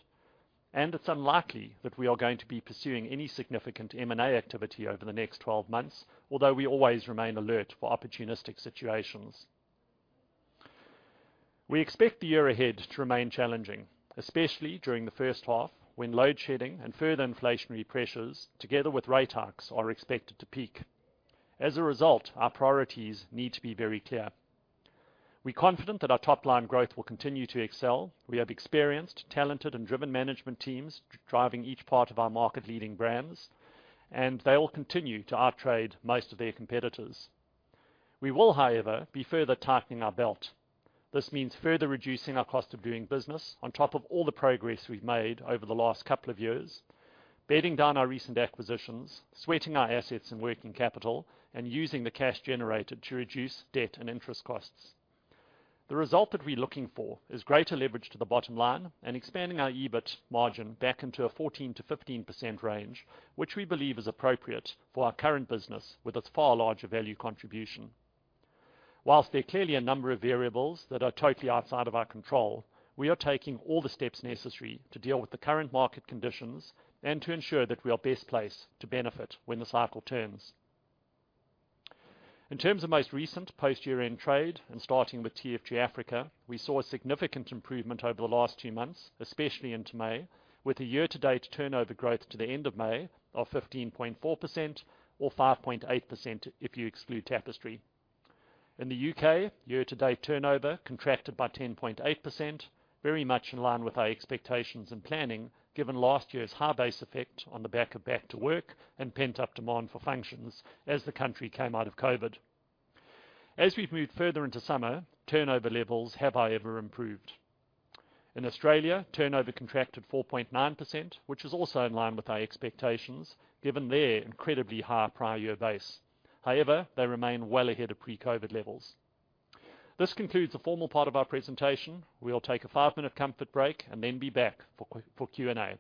and it's unlikely that we are going to be pursuing any significant M&A activity over the next 12 months, although we always remain alert for opportunistic situations. We expect the year ahead to remain challenging, especially during the first half, when load shedding and further inflationary pressures, together with rate hikes, are expected to peak. As a result, our priorities need to be very clear. We're confident that our top-line growth will continue to excel. We have experienced, talented, and driven management teams driving each part of our market-leading brands. They will continue to outtrade most of their competitors. We will, however, be further tightening our belt. This means further reducing our cost of doing business on top of all the progress we've made over the last couple of years, bedding down our recent acquisitions, sweating our assets and working capital, and using the cash generated to reduce debt and interest costs. The result that we're looking for is greater leverage to the bottom line and expanding our EBIT margin back into a 14%-15% range, which we believe is appropriate for our current business, with its far larger value contribution. Whilst there are clearly a number of variables that are totally outside of our control, we are taking all the steps necessary to deal with the current market conditions and to ensure that we are best placed to benefit when the cycle turns. In terms of most recent post-year-end trade, and starting with TFG Africa, we saw a significant improvement over the last two months, especially into May, with a year-to-date turnover growth to the end of May of 15.4%, or 5.8% if you exclude Tapestry. In the U.K., year-to-date turnover contracted by 10.8%, very much in line with our expectations and planning, given last year's high base effect on the back of back to work and pent-up demand for functions as the country came out of COVID. As we've moved further into summer, turnover levels have however improved. In Australia, turnover contracted 4.9%, which is also in line with our expectations, given their incredibly high prior year base. However, they remain well ahead of pre-COVID levels. This concludes the formal part of our presentation. We'll take a five-minute comfort break and then be back for Q&A.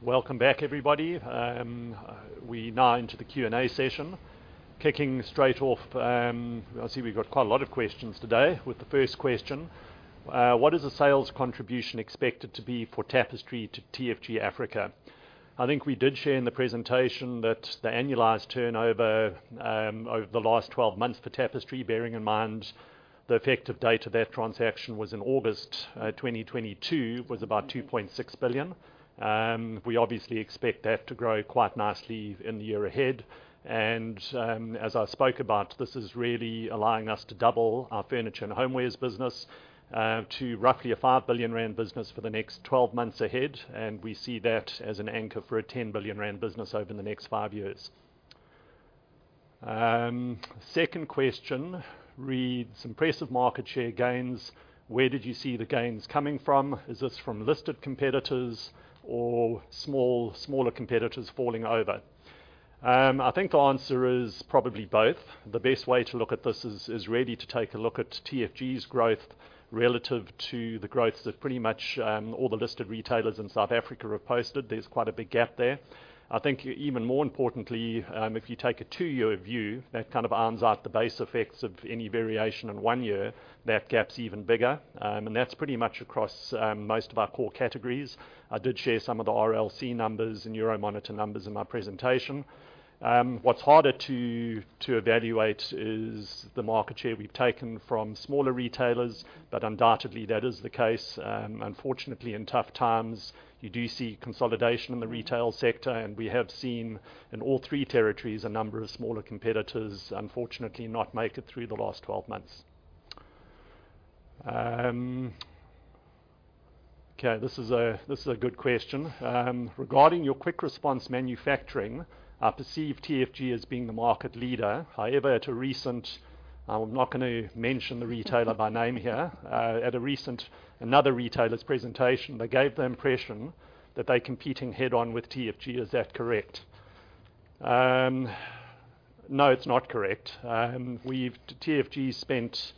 Welcome back, everybody. We're now into the Q&A session. Kicking straight off, I see we've got quite a lot of questions today, with the first question: What is the sales contribution expected to be for Tapestry to TFG Africa? I think we did share in the presentation that the annualized turnover over the last 12 months for Tapestry, bearing in mind the effective date of that transaction was in August 2022, was about 2.6 billion. We obviously expect that to grow quite nicely in the year ahead, and, as I spoke about, this is really allowing us to double our furniture and homewares business, to roughly a 5 billion rand business for the next 12 months ahead, and we see that as an anchor for a 10 billion rand business over the next five years. Second question reads: Impressive market share gains, where did you see the gains coming from? Is this from listed competitors or smaller competitors falling over? I think the answer is probably both. The best way to look at this is really to take a look at TFG's growth relative to the growth that pretty much, all the listed retailers in South Africa have posted. There's quite a big gap there. I think even more importantly, if you take a two-year view, that kind of irons out the base effects of any variation in one year, that gap's even bigger. That's pretty much across most of our core categories. I did share some of the RLC numbers and Euromonitor numbers in my presentation. What's harder to evaluate is the market share we've taken from smaller retailers, undoubtedly, that is the case. Unfortunately, in tough times, you do see consolidation in the retail sector, we have seen, in all three territories, a number of smaller competitors unfortunately not make it through the last 12 months. Okay, this is a good question. Regarding your quick response manufacturing, I perceive TFG as being the market leader. However, I'm not gonna mention the retailer by name here. At a recent another retailer's presentation, they gave the impression that they're competing head-on with TFG. Is that correct? No, it's not correct. TFG spent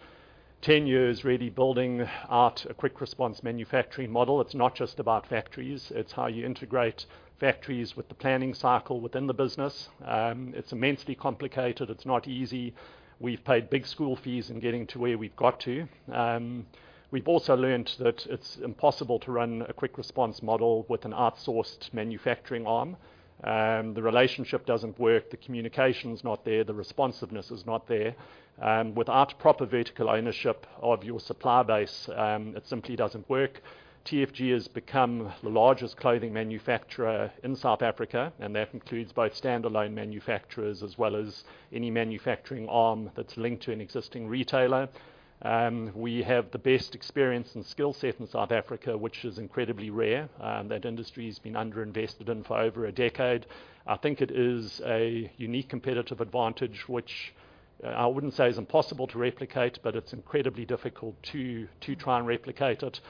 10 years really building out a quick response manufacturing model. It's not just about factories, it's how you integrate factories with the planning cycle within the business. It's immensely complicated. It's not easy. We've paid big school fees in getting to where we've got to. We've also learned that it's impossible to run a quick response model with an outsourced manufacturing arm. The relationship doesn't work, the communication's not there, the responsiveness is not there. Without proper vertical ownership of your supplier base, it simply doesn't work. TFG has become the largest clothing manufacturer in South Africa, and that includes both standalone manufacturers as well as any manufacturing arm that's linked to an existing retailer. We have the best experience and skill set in South Africa, which is incredibly rare. That industry has been underinvested in for over a decade. I think it is a unique competitive advantage, which, I wouldn't say is impossible to replicate, but it's incredibly difficult to try and replicate it.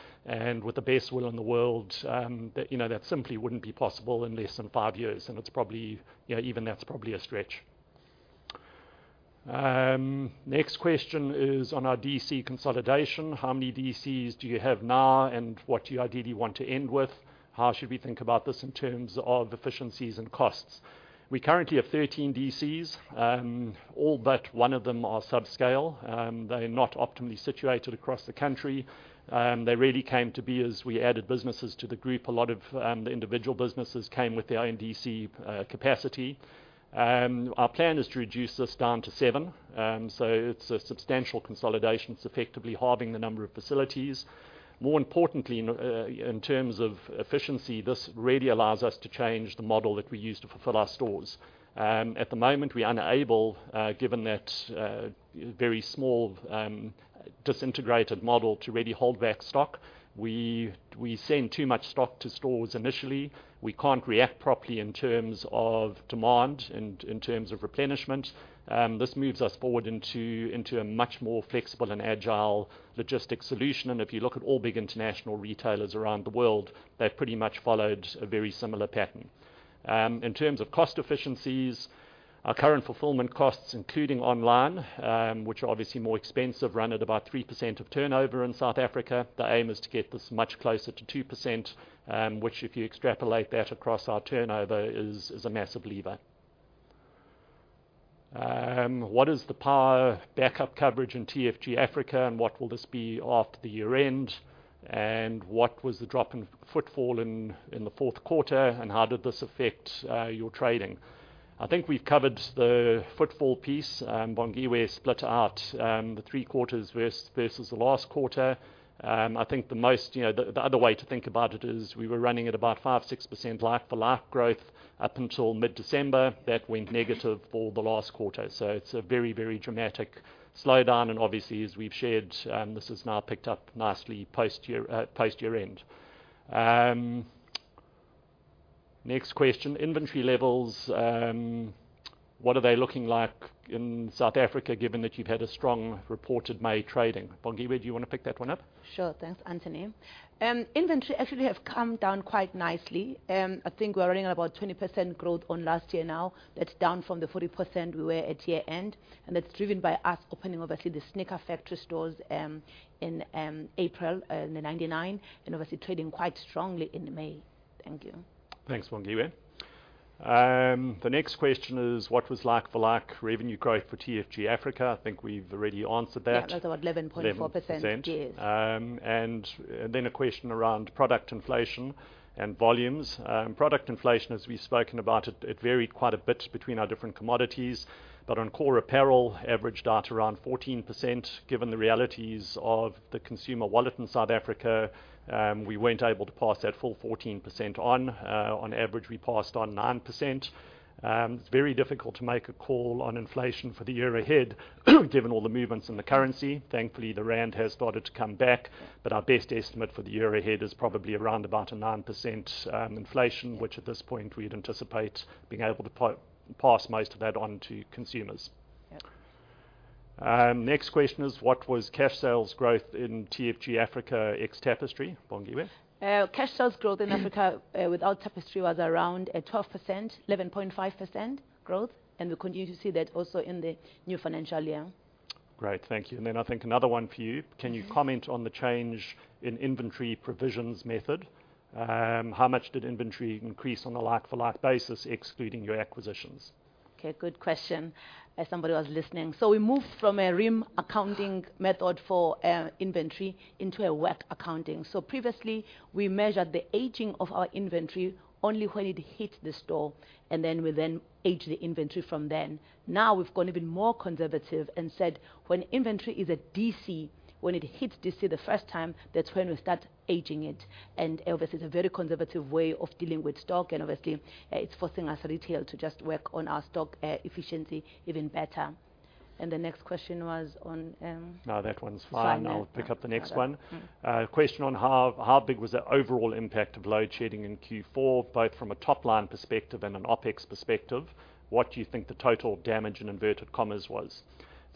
With the best will in the world, that, you know, that simply wouldn't be possible in less than five years, and it's probably. Even that's probably a stretch. Next question is on our DC consolidation. How many DCs do you have now, and what do you ideally want to end with? How should we think about this in terms of efficiencies and costs? We currently have 13 DCs. All but one of them are subscale. They're not optimally situated across the country. They really came to be as we added businesses to the group. A lot of the individual businesses came with their own DC capacity. Our plan is to reduce this down to seven. It's a substantial consolidation. It's effectively halving the number of facilities. More importantly, in terms of efficiency, this really allows us to change the model that we use to fulfill our stores. At the moment, we are unable, given that very small, disintegrated model to really hold back stock. We send too much stock to stores initially. We can't react properly in terms of demand and in terms of replenishment. This moves us forward into a much more flexible and agile logistics solution. If you look at all big international retailers around the world, they've pretty much followed a very similar pattern. In terms of cost efficiencies, our current fulfillment costs, including online, which are obviously more expensive, run at about 3% of turnover in South Africa. The aim is to get this much closer to 2%, which, if you extrapolate that across, our turnover is a massive lever. What is the power backup coverage in TFG Africa, and what will this be after the year end? What was the drop in footfall in the fourth quarter, and how did this affect your trading? I think we've covered the footfall piece. Bongiwe, we split out the three quarters versus the last quarter. I think the most... You know, the other way to think about it is we were running at about 5%, 6% like-for-like growth up until mid-December. That went negative for the last quarter. It's a very, very dramatic slowdown, obviously, as we've shared, this has now picked up nicely post year-end. Next question: inventory levels, what are they looking like in South Africa, given that you've had a strong reported May trading? Bongiwe, do you want to pick that one up? Sure thing, Anthony. inventory actually have come down quite nicely. I think we're running at about 20% growth on last year now. That's down from the 40% we were at year-end, and that's driven by us opening, obviously, the Sneaker Factory stores, in April, in the 99, and obviously trading quite strongly in May. Thank you. Thanks, Bongiwe. The next question is: what was like-for-like revenue growth for TFG Africa? I think we've already answered that. Yeah, that's about 11.4%. 11%. Yes. Then a question around product inflation and volumes. Product inflation, as we've spoken about it varied quite a bit between our different commodities. On core apparel, averaged out around 14%, given the realities of the consumer wallet in South Africa, we weren't able to pass that full 14% on. On average, we passed on 9%. It's very difficult to make a call on inflation for the year ahead, given all the movements in the currency. Thankfully, the rand has started to come back, but our best estimate for the year ahead is probably around about a 9% inflation, which at this point, we'd anticipate being able to pass most of that on to consumers. Yeah. Next question is: What was cash sales growth in TFG Africa ex Tapestry? Bongiwe? Cash sales growth in Africa, without Tapestry was around at 12%, 11.5% growth, and we continue to see that also in the new financial year. Great. Thank you. Then I think another one for you. Mm-hmm. Can you comment on the change in inventory provisions method? How much did inventory increase on a like-for-like basis, excluding your acquisitions? Okay, good question, somebody was listening. We moved from a RIM accounting method for inventory into a WAC accounting. Previously, we measured the aging of our inventory only when it hit the store, and then we then age the inventory from then. Now, we've gone even more conservative and said, when inventory is at DC, when it hits DC the first time, that's when we start aging it. Obviously, it's a very conservative way of dealing with stock, and obviously, it's forcing us retail to just work on our stock efficiency even better. The next question was on. No, that one's fine. Fine, yeah. I'll pick up the next one. Okay. Question on how big was the overall impact of load shedding in Q4, both from a top-line perspective and an OpEx perspective? What do you think the total damage, in inverted commas, was?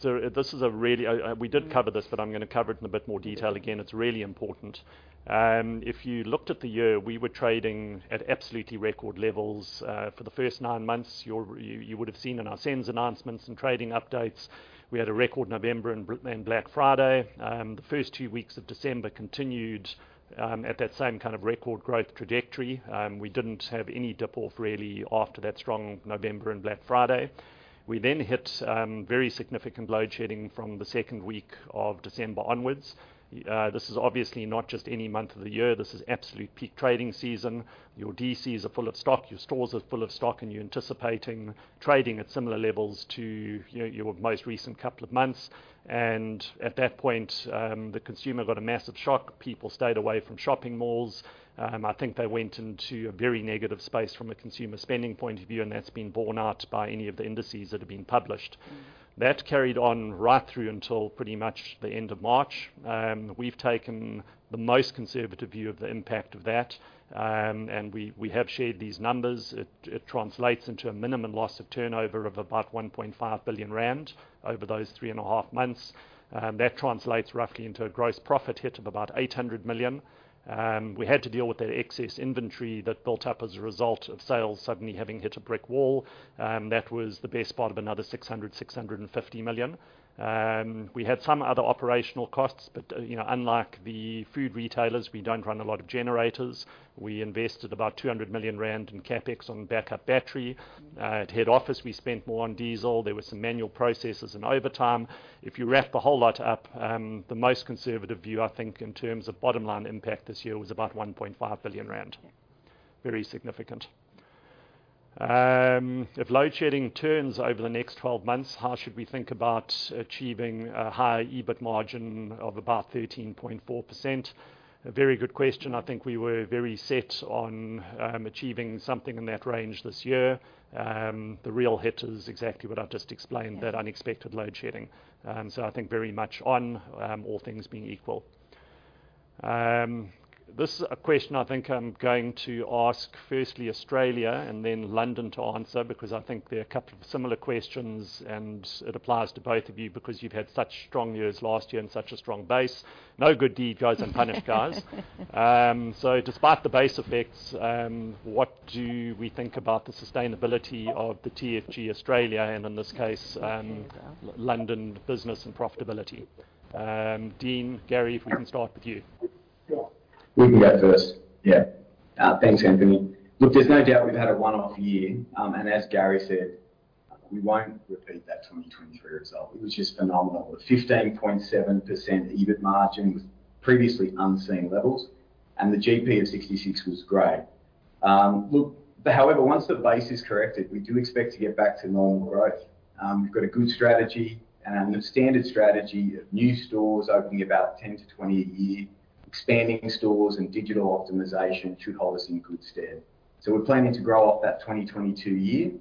This is a really. We did cover this, but I'm gonna cover it in a bit more detail again. It's really important. If you looked at the year, we were trading at absolutely record levels. For the first nine months, you would've seen in our sales announcements and trading updates, we had a record November and Black Friday. The first two weeks of December continued at that same kind of record growth trajectory. We didn't have any dip-off really after that strong November and Black Friday. We hit very significant load shedding from the second week of December onwards. This is obviously not just any month of the year, this is absolute peak trading season. Your DCs are full of stock, your stores are full of stock, and you're anticipating trading at similar levels to, you know, your most recent couple of months. At that point, the consumer got a massive shock. People stayed away from shopping malls. I think they went into a very negative space from a consumer spending point of view, and that's been borne out by any of the indices that have been published. That carried on right through until pretty much the end of March. We've taken the most conservative view of the impact of that. We, we have shared these numbers. It translates into a minimum loss of turnover of about 1.5 billion rand over those three and a half months. That translates roughly into a gross profit hit of about 800 million. We had to deal with that excess inventory that built up as a result of sales suddenly having hit a brick wall. That was the best part of another 600 million-650 million. We had some other operational costs, but, you know, unlike the food retailers, we don't run a lot of generators. We invested about 200 million rand in CapEx on backup battery. At head office, we spent more on diesel. There were some manual processes and overtime. If you wrap the whole lot up, the most conservative view, I think, in terms of bottom line impact this year, was about 1.5 billion rand. Very significant. If load shedding turns over the next 12 months, how should we think about achieving a higher EBIT margin of about 13.4%? A very good question. I think we were very set on achieving something in that range this year. The real hit is exactly what I've just explained, that unexpected load shedding. I think very much on all things being equal. This is a question I think I'm going to ask, firstly, Australia and then London to answer, because I think there are a couple of similar questions, and it applies to both of you because you've had such strong years last year and such a strong base. No good deed goes unpunished, guys. Despite the base effects, what do we think about the sustainability of the TFG Australia, and in this case, London business and profitability? Dean, Gary, if we can start with you. Sure. We can go first. Thanks, Anthony. Look, there's no doubt we've had a one-off year. As Gary said, we won't repeat that 2023 result. It was just phenomenal. 15.7% EBIT margin was previously unseen levels. The GP of 66% was great. However, once the base is corrected, we do expect to get back to normal growth. We've got a good strategy. The standard strategy of new stores opening about 10-20 a year, expanding stores and digital optimization should hold us in good stead. We're planning to grow off that 2022 year.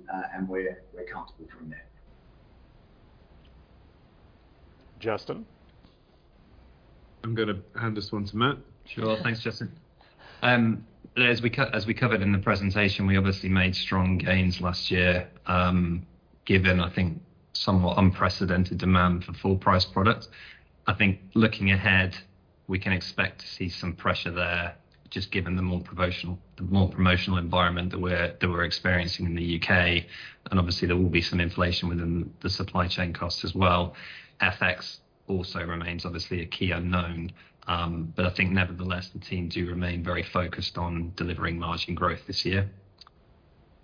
We're comfortable from there. Justin? I'm gonna hand this one to Matt. Sure. Thanks, Justin. As we covered in the presentation, we obviously made strong gains last year, given, I think, somewhat unprecedented demand for full price products. I think looking ahead, we can expect to see some pressure there, just given the more promotional environment that we're experiencing in the U.K., and obviously there will be some inflation within the supply chain costs as well. FX also remains obviously a key unknown, but I think nevertheless, the team do remain very focused on delivering margin growth this year.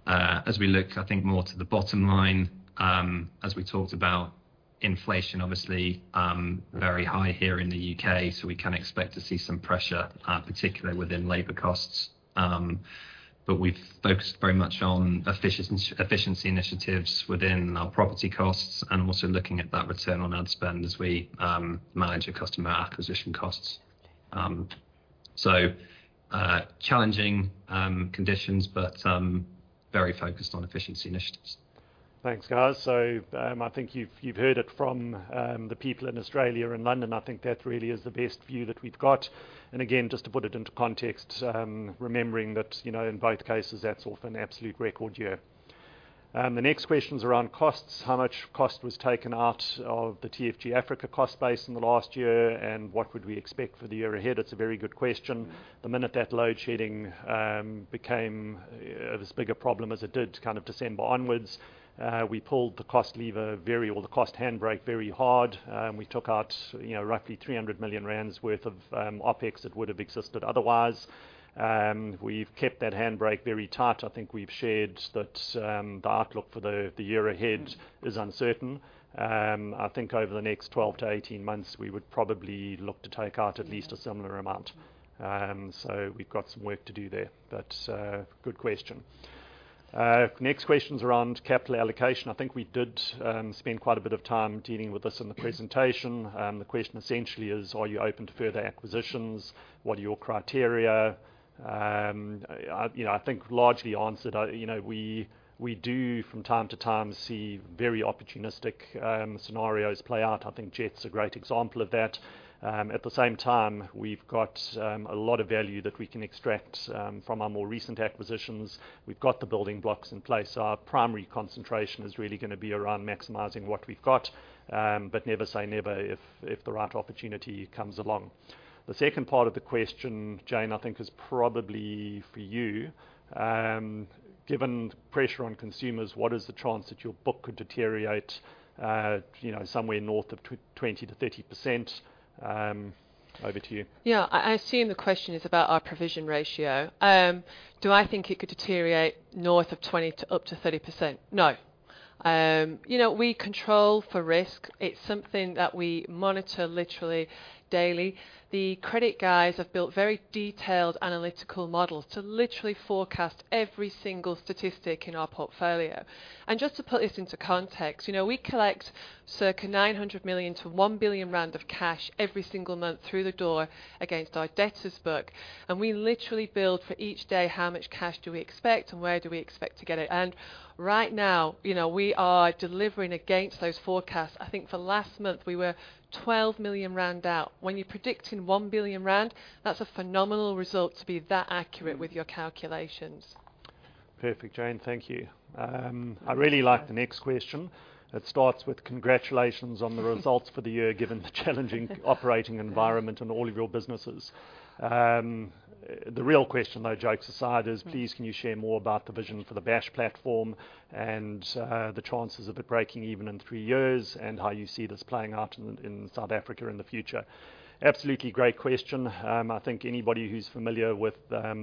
As we look, I think, more to the bottom line, as we talked about, inflation obviously, very high here in the U.K., We can expect to see some pressure, particularly within labor costs. We've focused very much on efficiency initiatives within our property costs, and also looking at that return on ad spend as we manage our customer acquisition costs. Challenging conditions but very focused on efficiency initiatives. Thanks, guys. I think you've heard it from the people in Australia and London. I think that really is the best view that we've got. Just to put it into context, remembering that, you know, in both cases, that's off an absolute record year. The next question's around costs. How much cost was taken out of the TFG Africa cost base in the last year? What would we expect for the year ahead? It's a very good question. The minute that load shedding became this bigger problem as it did kind of December onwards, we pulled the cost handbrake very hard. We took out, you know, roughly 300 million rand worth of OpEx that would have existed otherwise. We've kept that handbrake very tight. I think we've shared that, the outlook for the year ahead is uncertain. I think over the next 12 to 18 months, we would probably look to take out at least a similar amount. We've got some work to do there, but good question. Next question's around capital allocation. I think we did spend quite a bit of time dealing with this in the presentation. The question essentially is: Are you open to further acquisitions? What are your criteria? I, you know, I think largely answered. You know, we do from time to time see very opportunistic scenarios play out. I think Jet's a great example of that. At the same time, we've got a lot of value that we can extract from our more recent acquisitions. We've got the building blocks in place. Our primary concentration is really gonna be around maximizing what we've got, but never say never, if the right opportunity comes along. The second part of the question, Jane, I think is probably for you. Given the pressure on consumers, what is the chance that your book could deteriorate, you know, somewhere north of 20%-30%? Over to you. Yeah. I assume the question is about our provision ratio. Do I think it could deteriorate north of 20% to up to 30%? No. You know, we control for risk. It's something that we monitor literally daily. The credit guys have built very detailed analytical models to literally forecast every single statistic in our portfolio. Just to put this into context, you know, we collect circa 900 million-1 billion rand of cash every single month through the door against our debtors book. We literally build for each day, how much cash do we expect, and where do we expect to get it? Right now, you know, we are delivering against those forecasts. I think for last month, we were 12 million rand out. When you're predicting 1 billion rand, that's a phenomenal result to be that accurate with your calculations. Perfect, Jane. Thank you. I really like the next question. It starts with, "Congratulations on the results for the year, given the challenging operating environment in all of your businesses." The real question, though, jokes aside, is: "Please, can you share more about the vision for the Bash platform, and the chances of it breaking even in three years, and how you see this playing out in South Africa in the future?" Absolutely, great question. I think anybody who's familiar with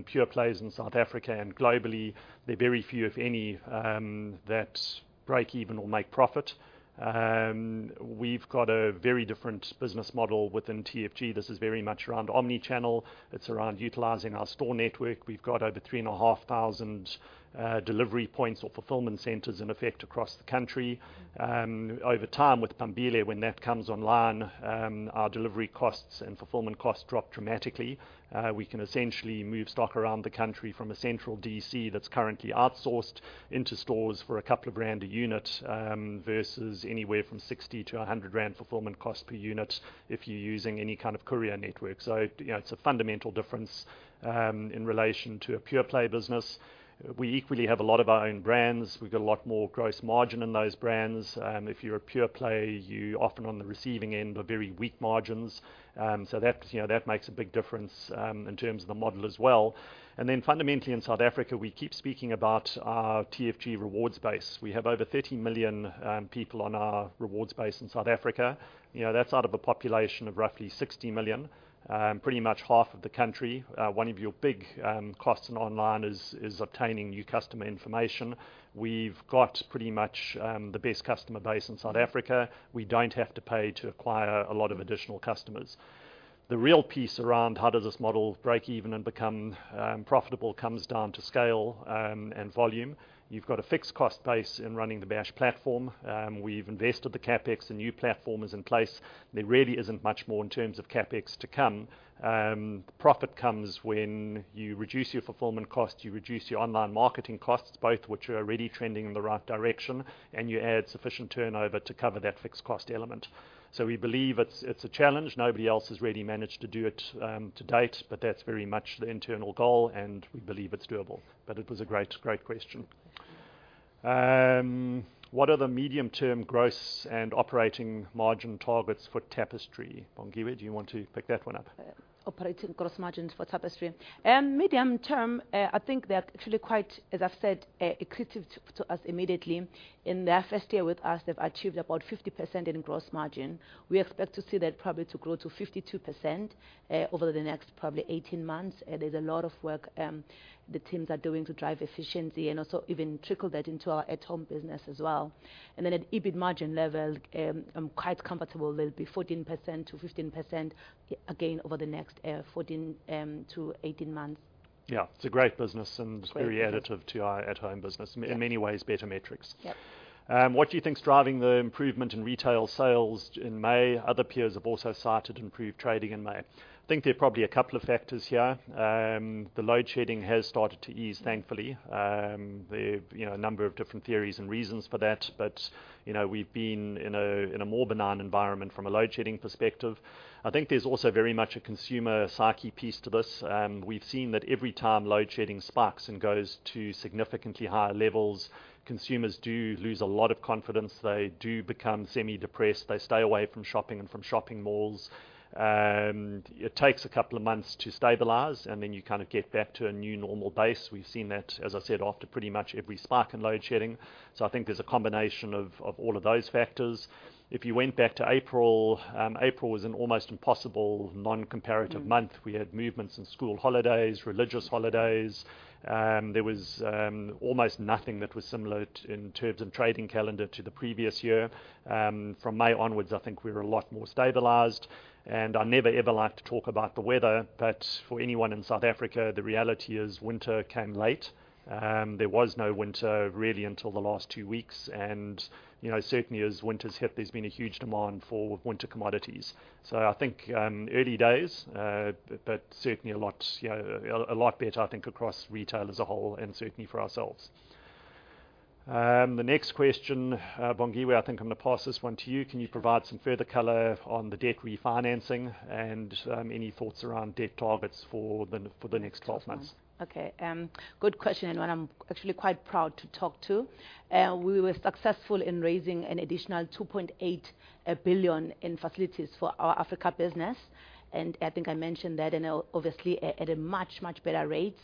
pure plays in South Africa and globally, there are very few, if any, that break even or make profit. We've got a very different business model within TFG. This is very much around omni-channel. It's around utilizing our store network. We've got over 3,500 delivery points or fulfillment centers in effect across the country. Over time, with Pampula, when that comes online, our delivery costs and fulfillment costs drop dramatically. We can essentially move stock around the country from a central DC that's currently outsourced into stores for a couple of ZAR a unit versus anywhere from 60-100 rand fulfillment cost per unit if you're using any kind of courier network. You know, it's a fundamental difference in relation to a pure play business. We equally have a lot of our own brands. We've got a lot more gross margin in those brands. If you're a pure play, you're often on the receiving end of very weak margins. That, you know, that makes a big difference in terms of the model as well. Fundamentally, in South Africa, we keep speaking about our TFG Rewards base. We have over 30 million people on our rewards base in South Africa. You know, that's out of a population of roughly 60 million, pretty much half of the country. One of your big costs in online is obtaining new customer information. We've got pretty much the base customer base in South Africa. We don't have to pay to acquire a lot of additional customers. The real piece around how does this model break even and become profitable, comes down to scale and volume. You've got a fixed cost base in running the Bash platform. We've invested the CapEx, the new platform is in place. There really isn't much more in terms of CapEx to come. Profit comes when you reduce your fulfillment costs, you reduce your online marketing costs, both of which are already trending in the right direction, and you add sufficient turnover to cover that fixed cost element. We believe it's a challenge. Nobody else has really managed to do it to date, but that's very much the internal goal, and we believe it's doable. It was a great question. What are the medium-term gross and operating margin targets for Tapestry Home Brands? Bongiwe, do you want to pick that one up? Operating gross margins for Tapestry. Medium term, I think they're actually quite, as I've said, accretive to us immediately. In their first year with us, they've achieved about 50% in gross margin. We expect to see that probably to grow to 52%, over the next probably 18 months. There's a lot of work, the teams are doing to drive efficiency and also even trickle that into our at-home business as well. At EBIT margin level, I'm quite comfortable they'll be 14%-15%, again, over the next 14-18 months. Yeah. It's a great business, and it's very additive to our at-home business. Yeah. In many ways, better metrics. Yep. What do you think is driving the improvement in retail sales in May? Other peers have also cited improved trading in May. I think there are probably a couple of factors here. The load shedding has started to ease, thankfully. There are, you know, a number of different theories and reasons for that, but, you know, we've been in a more benign environment from a load shedding perspective. I think there's also very much a consumer psyche piece to this. We've seen that every time load shedding spikes and goes to significantly higher levels, consumers do lose a lot of confidence. They do become semi-depressed. They stay away from shopping and from shopping malls. It takes a couple of months to stabilize, and then you kind of get back to a new normal base. We've seen that, as I said, after pretty much every spike in load shedding. I think there's a combination of all of those factors. If you went back to April was an almost impossible non-comparative month. Mm-hmm. We had movements in school holidays, religious holidays, there was almost nothing that was similar in terms of trading calendar to the previous year. From May onwards, I think we were a lot more stabilized. I never, ever like to talk about the weather, but for anyone in South Africa, the reality is winter came late. There was no winter, really, until the last two weeks, and, you know, certainly as winter's hit, there's been a huge demand for winter commodities. I think, early days, but certainly a lot, you know, a lot better, I think, across retail as a whole and certainly for ourselves. The next question, Bongiwe, I think I'm gonna pass this one to you. Can you provide some further color on the debt refinancing, and any thoughts around debt targets for the next 12 months? Okay, good question, and one I'm actually quite proud to talk to. We were successful in raising an additional 2.8 billion in facilities for our Africa business, and I think I mentioned that, and obviously at a much, much better rate.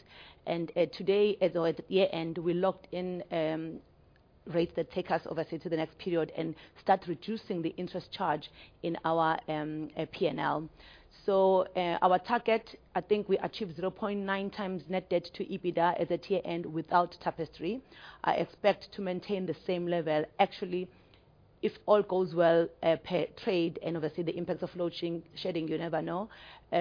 Today, as always, year-end, we locked in rates that take us obviously to the next period and start reducing the interest charge in our P&L. Our target, I think we achieved 0.9x net debt to EBITDA as at year-end without Tapestry. I expect to maintain the same level. Actually, if all goes well, per trade and obviously the impacts of load shedding, you never know,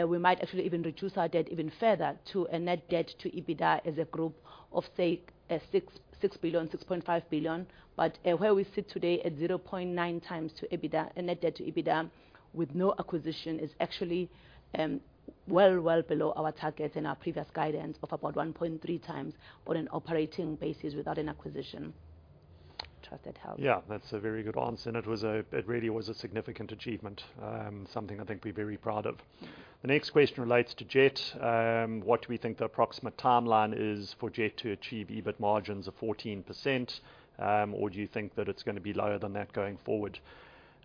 we might actually even reduce our debt even further to a net debt to EBITDA as a group of, say, 6 billion-6.5 billion. Where we sit today at 0.9x to EBITDA and net debt to EBITDA with no acquisition, is actually well below our target and our previous guidance of about 1.3x on an operating basis without an acquisition. I'm sure that helps. Yeah, that's a very good answer. It really was a significant achievement. Something I think we're very proud of. The next question relates to Jet. What do we think the approximate timeline is for Jet to achieve EBIT margins of 14%? Do you think that it's gonna be lower than that going forward?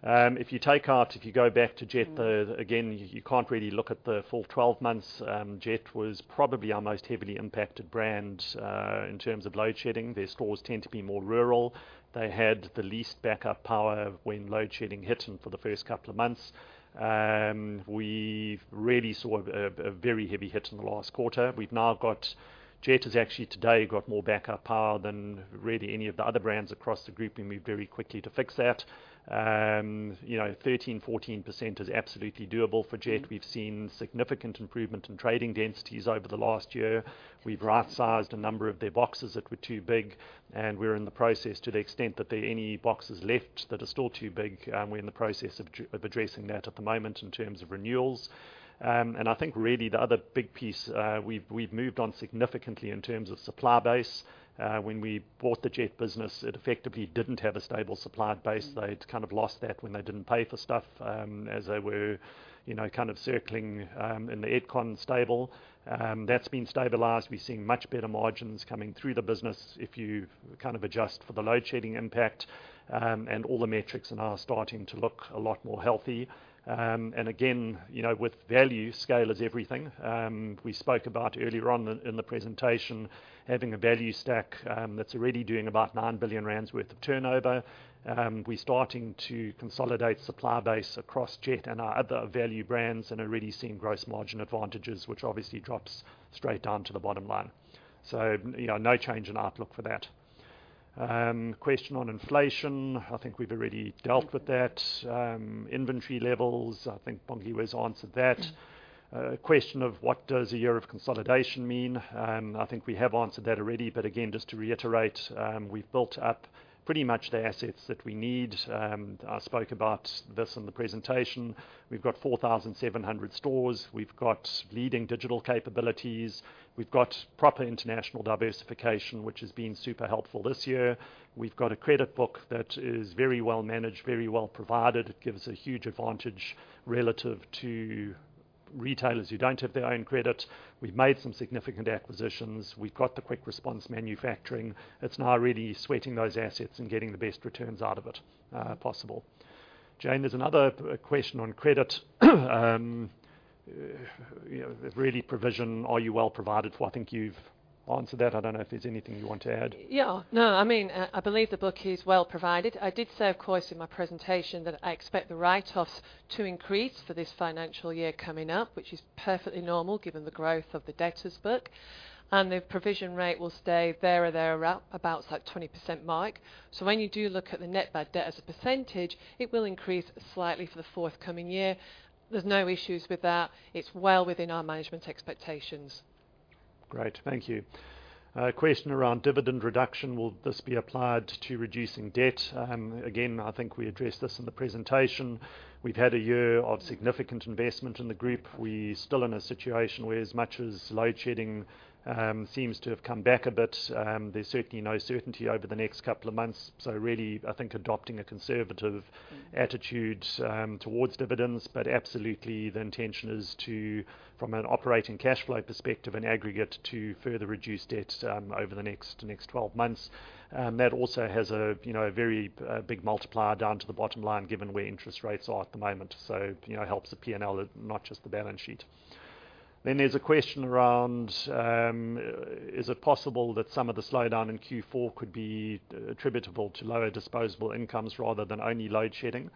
If you take out, if you go back to Jet, again, you can't really look at the full 12 months. Jet was probably our most heavily impacted brand in terms of load shedding. Their stores tend to be more rural. They had the least backup power when load shedding hit them for the first couple of months. We've really saw a very heavy hit in the last quarter. Jet has actually today got more backup power than really any of the other brands across the group, and moved very quickly to fix that. You know, 13%, 14% is absolutely doable for Jet. Mm-hmm. We've seen significant improvement in trading densities over the last year. We've right-sized a number of their boxes that were too big. We're in the process to the extent that there are any boxes left that are still too big, we're in the process of addressing that at the moment in terms of renewals. I think really the other big piece, we've moved on significantly in terms of supply base. When we bought the Jet business, it effectively didn't have a stable supply base. Mm-hmm. They'd kind of lost that when they didn't pay for stuff, as they were, you know, kind of circling in the Edcon stable. That's been stabilized. We're seeing much better margins coming through the business, if you kind of adjust for the load shedding impact, and all the metrics are now starting to look a lot more healthy. Again, you know, with value, scale is everything. We spoke about earlier on in the presentation, having a value stack, that's already doing about 9 billion rand worth of turnover. We're starting to consolidate supply base across Jet and our other value brands, and already seeing gross margin advantages, which obviously drops straight down to the bottom line. You know, no change in outlook for that. Question on inflation. I think we've already dealt with that. Mm-hmm. Inventory levels, I think Bongiwe has answered that. Mm-hmm. Question of: What does a year of consolidation mean? I think we have answered that already, but again, just to reiterate, we've built up pretty much the assets that we need. I spoke about this in the presentation. We've got 4,700 stores. We've got leading digital capabilities. We've got proper international diversification, which has been super helpful this year. We've got a credit book that is very well managed, very well provided. It gives a huge advantage relative to retailers who don't have their own credit. We've made some significant acquisitions. We've got the quick response manufacturing. It's now really sweating those assets and getting the best returns out of it possible. Jane, there's another question on credit. You know, really provision, are you well provided for? I think you've answered that. I don't know if there's anything you want to add. Yeah. No, I mean, I believe the book is well provided. I did say, of course, in my presentation, that I expect the write-offs to increase for this financial year coming up, which is perfectly normal given the growth of the debtors book, and the provision rate will stay there or there around about, like, 20% mark. When you do look at the net bad debt as a percentage, it will increase slightly for the forthcoming year. There's no issues with that. It's well within our management's expectations. Great, thank you. Question around dividend reduction: Will this be applied to reducing debt? Again, I think we addressed this in the presentation. We've had a year of significant investment in the group. We're still in a situation where, as much as load shedding seems to have come back a bit, there's certainly no certainty over the next couple of months. Really, I think adopting a conservative attitude towards dividends, but absolutely the intention is to, from an operating cash flow perspective, in aggregate, to further reduce debt over the next twelve months. That also has a, you know, a very big multiplier down to the bottom line, given where interest rates are at the moment. You know, it helps the P&L, not just the balance sheet. There's a question around: Is it possible that some of the slowdown in Q4 could be attributable to lower disposable incomes rather than only load shedding?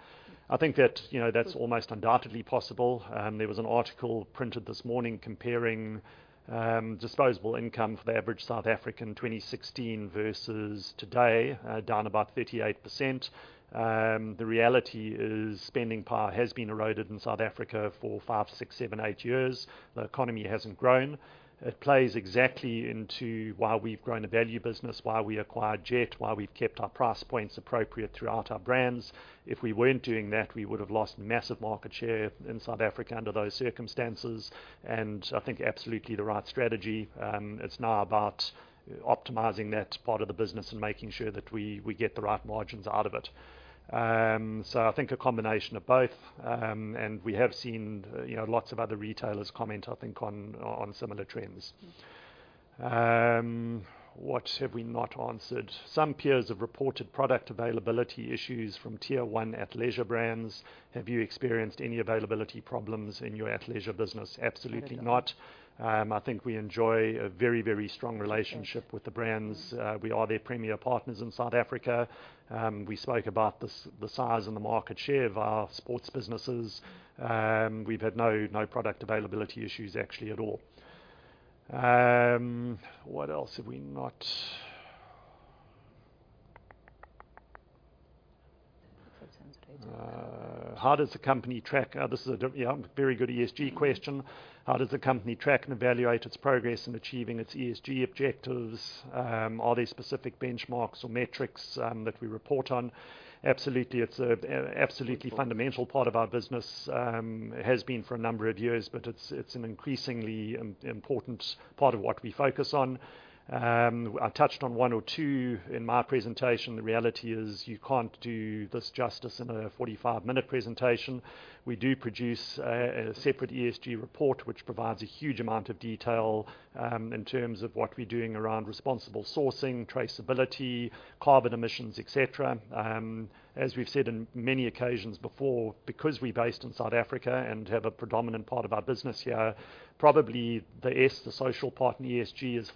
I think that, you know, that's almost undoubtedly possible. There was an article printed this morning comparing disposable income for the average South African in 2016 versus today, down about 38%. The reality is, spending power has been eroded in South Africa for five, six, seven, eight years. The economy hasn't grown. It plays exactly into why we've grown a value business, why we acquired Jet, why we've kept our price points appropriate throughout our brands. If we weren't doing that, we would have lost massive market share in South Africa under those circumstances, I think absolutely the right strategy. It's now about optimizing that part of the business and making sure that we get the right margins out of it. I think a combination of both, and we have seen, you know, lots of other retailers comment, I think, on similar trends. What have we not answered? Some peers have reported product availability issues from tier one athleisure brands. Have you experienced any availability problems in your athleisure business? Absolutely not. I think we enjoy a very strong relationship with the brands. We are their premier partners in South Africa. We spoke about the size and the market share of our sports businesses. We've had no product availability issues, actually, at all. What else have we not. This is a yeah, very good ESG question: How does the company track and evaluate its progress in achieving its ESG objectives? Are there specific benchmarks or metrics that we report on? Absolutely, it's a absolutely fundamental part of our business. It has been for a number of years, but it's an increasingly important part of what we focus on. I touched on one or two in my presentation. The reality is, you can't do this justice in a 45-minute presentation. We do produce a separate ESG report, which provides a huge amount of detail in terms of what we're doing around responsible sourcing, traceability, carbon emissions, et cetera. As we've said in many occasions before, because we're based in South Africa and have a predominant part of our business here, probably the S, the social part in ESG, is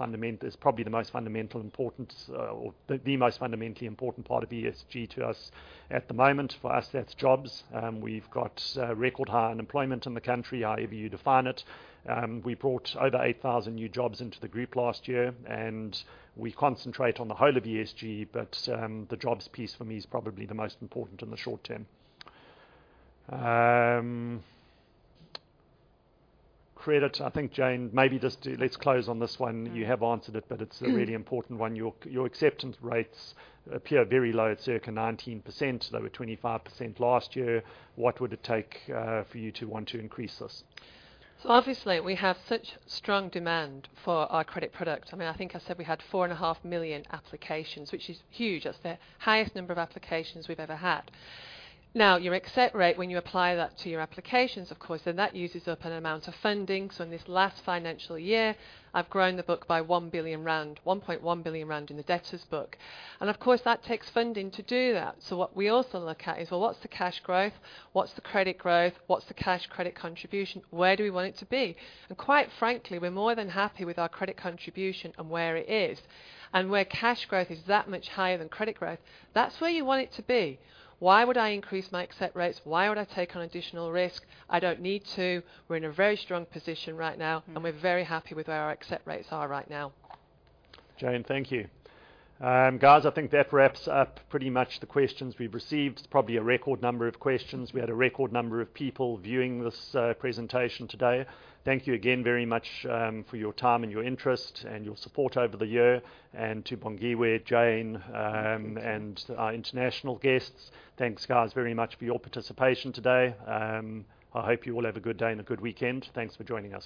probably the most fundamental important, or the most fundamentally important part of ESG to us. At the moment, for us, that's jobs. We've got record high unemployment in the country, however you define it. We brought over 8,000 new jobs into the group last year, and we concentrate on the whole of ESG, but the jobs piece for me is probably the most important in the short term. Credit, I think, Jane, maybe just let's close on this one. You have answered it, but it's a really important one. Your acceptance rates appear very low at circa 19%. They were 25% last year. What would it take, for you to want to increase this? Obviously, we have such strong demand for our credit product. I mean, I think I said we had 4.5 million applications, which is huge. That's the highest number of applications we've ever had. Now, your accept rate, when you apply that to your applications, of course, then that uses up an amount of funding. In this last financial year, I've grown the book by 1 billion rand, 1.1 billion rand in the debtors book. Of course, that takes funding to do that. What we also look at is, well, what's the cash growth? What's the credit growth? What's the cash credit contribution? Where do we want it to be? Quite frankly, we're more than happy with our credit contribution and where it is. Where cash growth is that much higher than credit growth, that's where you want it to be. Why would I increase my accept rates? Why would I take on additional risk? I don't need to. We're in a very strong position right now, and we're very happy with where our accept rates are right now. Jane, thank you. Guys, I think that wraps up pretty much the questions we've received. It's probably a record number of questions. We had a record number of people viewing this presentation today. Thank you again very much for your time and your interest and your support over the year. To Bongiwe, Jane, and our international guests, thanks, guys, very much for your participation today. I hope you all have a good day and a good weekend. Thanks for joining us.